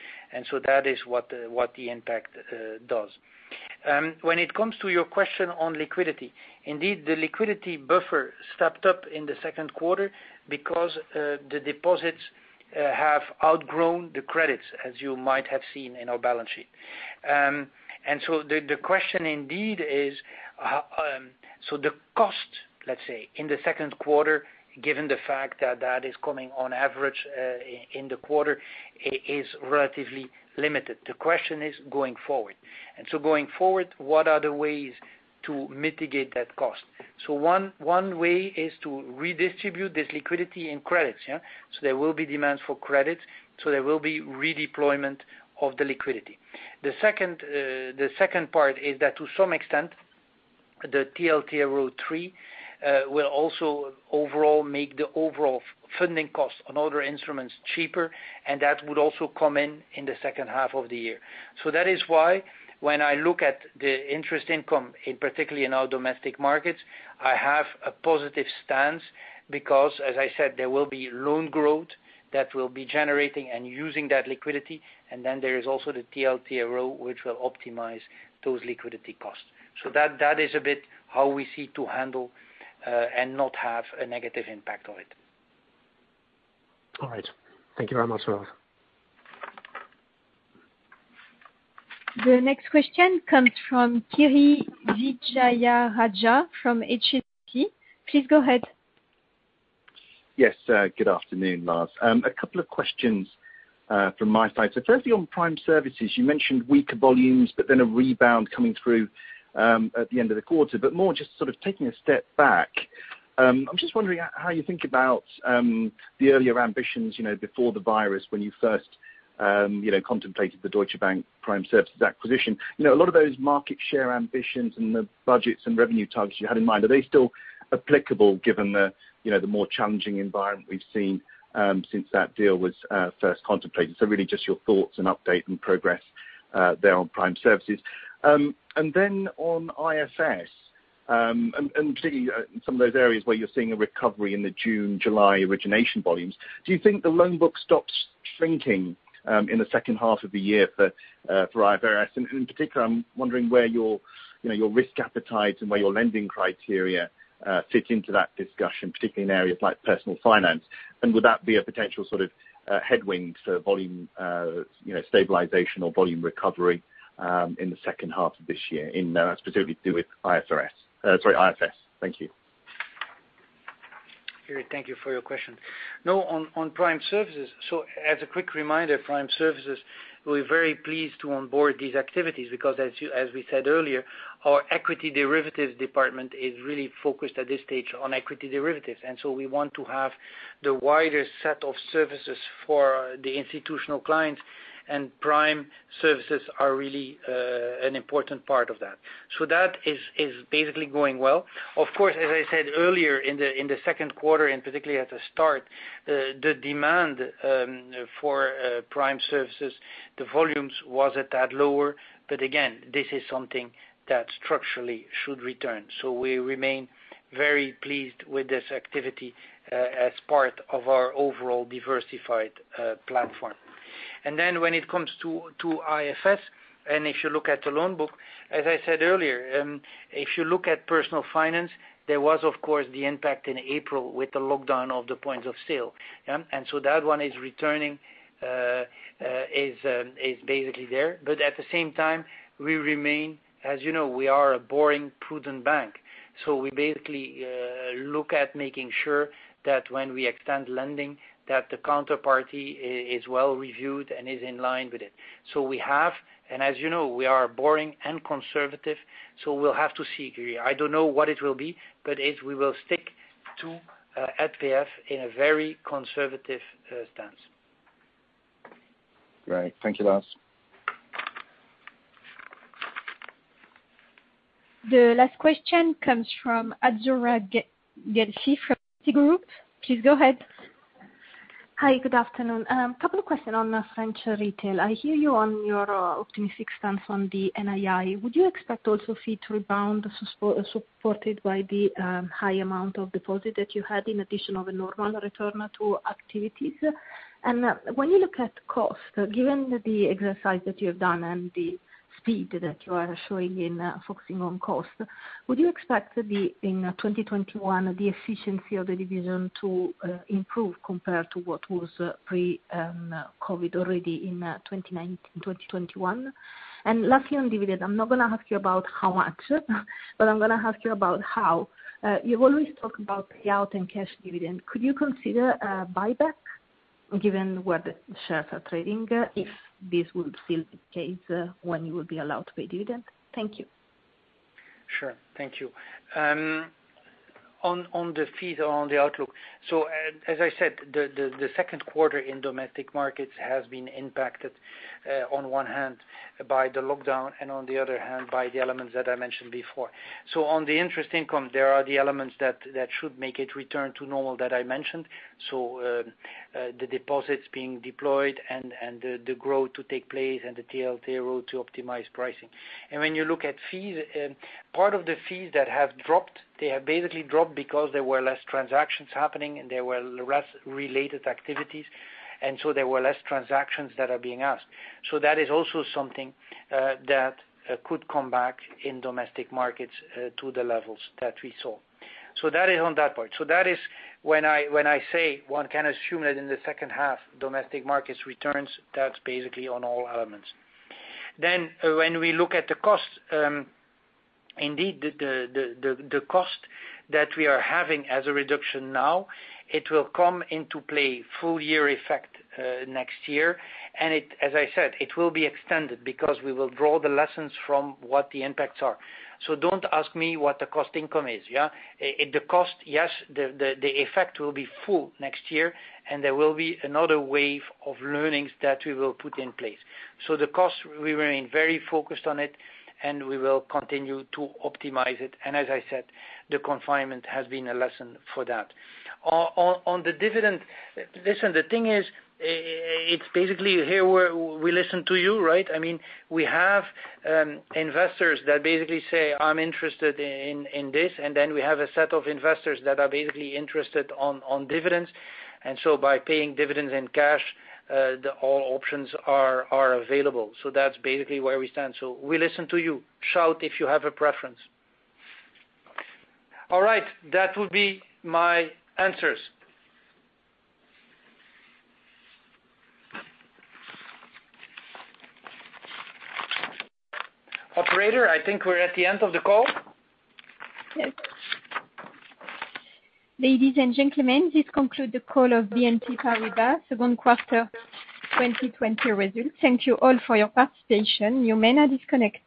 that is what the impact does. When it comes to your question on liquidity, indeed, the liquidity buffer stepped up in the second quarter because the deposits have outgrown the credits, as you might have seen in our balance sheet. The question indeed is, the cost, let's say, in the second quarter, given the fact that that is coming on average in the quarter, is relatively limited. The question is going forward. Going forward, what are the ways to mitigate that cost? One way is to redistribute this liquidity in credits. There will be demands for credit, so there will be redeployment of the liquidity. The second part is that to some extent, the TLTRO III will also overall make the overall funding cost on other instruments cheaper, and that would also come in in the second half of the year. That is why when I look at the interest income, in particular in our Domestic Markets, I have a positive stance because, as I said, there will be loan growth that will be generating and using that liquidity, and then there is also the TLTRO, which will optimize those liquidity costs. That is a bit how we see to handle and not have a negative impact on it. All right. Thank you very much, Lars. The next question comes from Kirishanthan Vijayarajah from HSBC. Please go ahead. Yes. Good afternoon, Lars. A couple of questions from my side. Firstly, on Prime Services, you mentioned weaker volumes, but then a rebound coming through at the end of the quarter. More just sort of taking a step back, I'm just wondering how you think about the earlier ambitions before the virus when you first contemplated the Deutsche Bank Prime Services acquisition. A lot of those market share ambitions and the budgets and revenue targets you had in mind, are they still applicable given the more challenging environment we've seen since that deal was first contemplated? Really just your thoughts and update and progress there on Prime Services. Then on IFS, and particularly in some of those areas where you're seeing a recovery in the June, July origination volumes, do you think the loan book stops shrinking in the second half of the year for IFRS? In particular, I'm wondering where your risk appetite and where your lending criteria fit into that discussion, particularly in areas like Personal Finance. Would that be a potential sort of headwind for volume stabilization or volume recovery in the second half of this year, specifically to do with IFRS? Sorry, IFS. Thank you. Kiri, thank you for your question. On Prime Services, as a quick reminder, Prime Services, we're very pleased to onboard these activities because as we said earlier, our equity derivatives department is really focused at this stage on equity derivatives. We want to have the widest set of services for the institutional clients, and Prime Services are really an important part of that. That is basically going well. Of course, as I said earlier, in the second quarter and particularly at the start, the demand for Prime Services, the volumes was a tad lower. Again, this is something that structurally should return. We remain very pleased with this activity as part of our overall diversified platform. When it comes to IFS, if you look at the loan book, as I said earlier, if you look at Personal Finance, there was of course the impact in April with the lockdown of the points of sale. That one is returning, is basically there. We remain, as you know, we are a boring, prudent bank. We look at making sure that when we extend lending, that the counterparty is well reviewed and is in line with it. As you know, we are boring and conservative, we'll have to see, Kiri. I don't know what it will be, but we will stick to PF in a very conservative stance. Great. Thank you, Lars. The last question comes from Azzurra Guelfi from Citigroup. Please go ahead. Hi. Good afternoon. Couple of questions on French retail. I hear you on your optimistic stance on the NII. Would you expect also fee to rebound, supported by the high amount of deposit that you had in addition of a normal return to activities? When you look at cost, given the exercise that you have done and the speed that you are showing in focusing on cost, would you expect in 2021, the efficiency of the division to improve compared to what was pre-COVID already in 2019, 2021? Lastly, on dividend, I'm not going to ask you about how much, but I'm going to ask you about how. You've always talked about payout and cash dividend. Could you consider a buyback given where the shares are trading, if this would still be the case when you will be allowed to pay dividend? Thank you. Sure. Thank you. On the fees, on the outlook. As I said, the second quarter in Domestic Markets has been impacted on one hand by the lockdown and on the other hand by the elements that I mentioned before. On the interest income, there are the elements that should make it return to normal that I mentioned. The deposits being deployed and the growth to take place and the TLTRO to optimize pricing. When you look at fees, part of the fees that have dropped, they have basically dropped because there were less transactions happening and there were less related activities, there were less transactions that are being asked. That is also something that could come back in Domestic Markets to the levels that we saw. That is on that part. That is when I say one can assume that in the second half, Domestic Markets returns, that's basically on all elements. When we look at the cost, indeed the cost that we are having as a reduction now, it will come into play full-year effect next year. As I said, it will be extended because we will draw the lessons from what the impacts are. Don't ask me what the cost income is. The cost, yes, the effect will be full next year, and there will be another wave of learnings that we will put in place. The cost, we remain very focused on it, and we will continue to optimize it. As I said, the confinement has been a lesson for that. On the dividend, listen, the thing is, it's basically here we listen to you, right? We have investors that basically say, "I'm interested in this," and then we have a set of investors that are basically interested in dividends. By paying dividends in cash, all options are available. That's basically where we stand. We listen to you. Shout if you have a preference. All right. That would be my answers. Operator, I think we're at the end of the call. Yes. Ladies and gentlemen, this concludes the call of BNP Paribas second quarter 2020 results. Thank you all for your participation. You may now disconnect.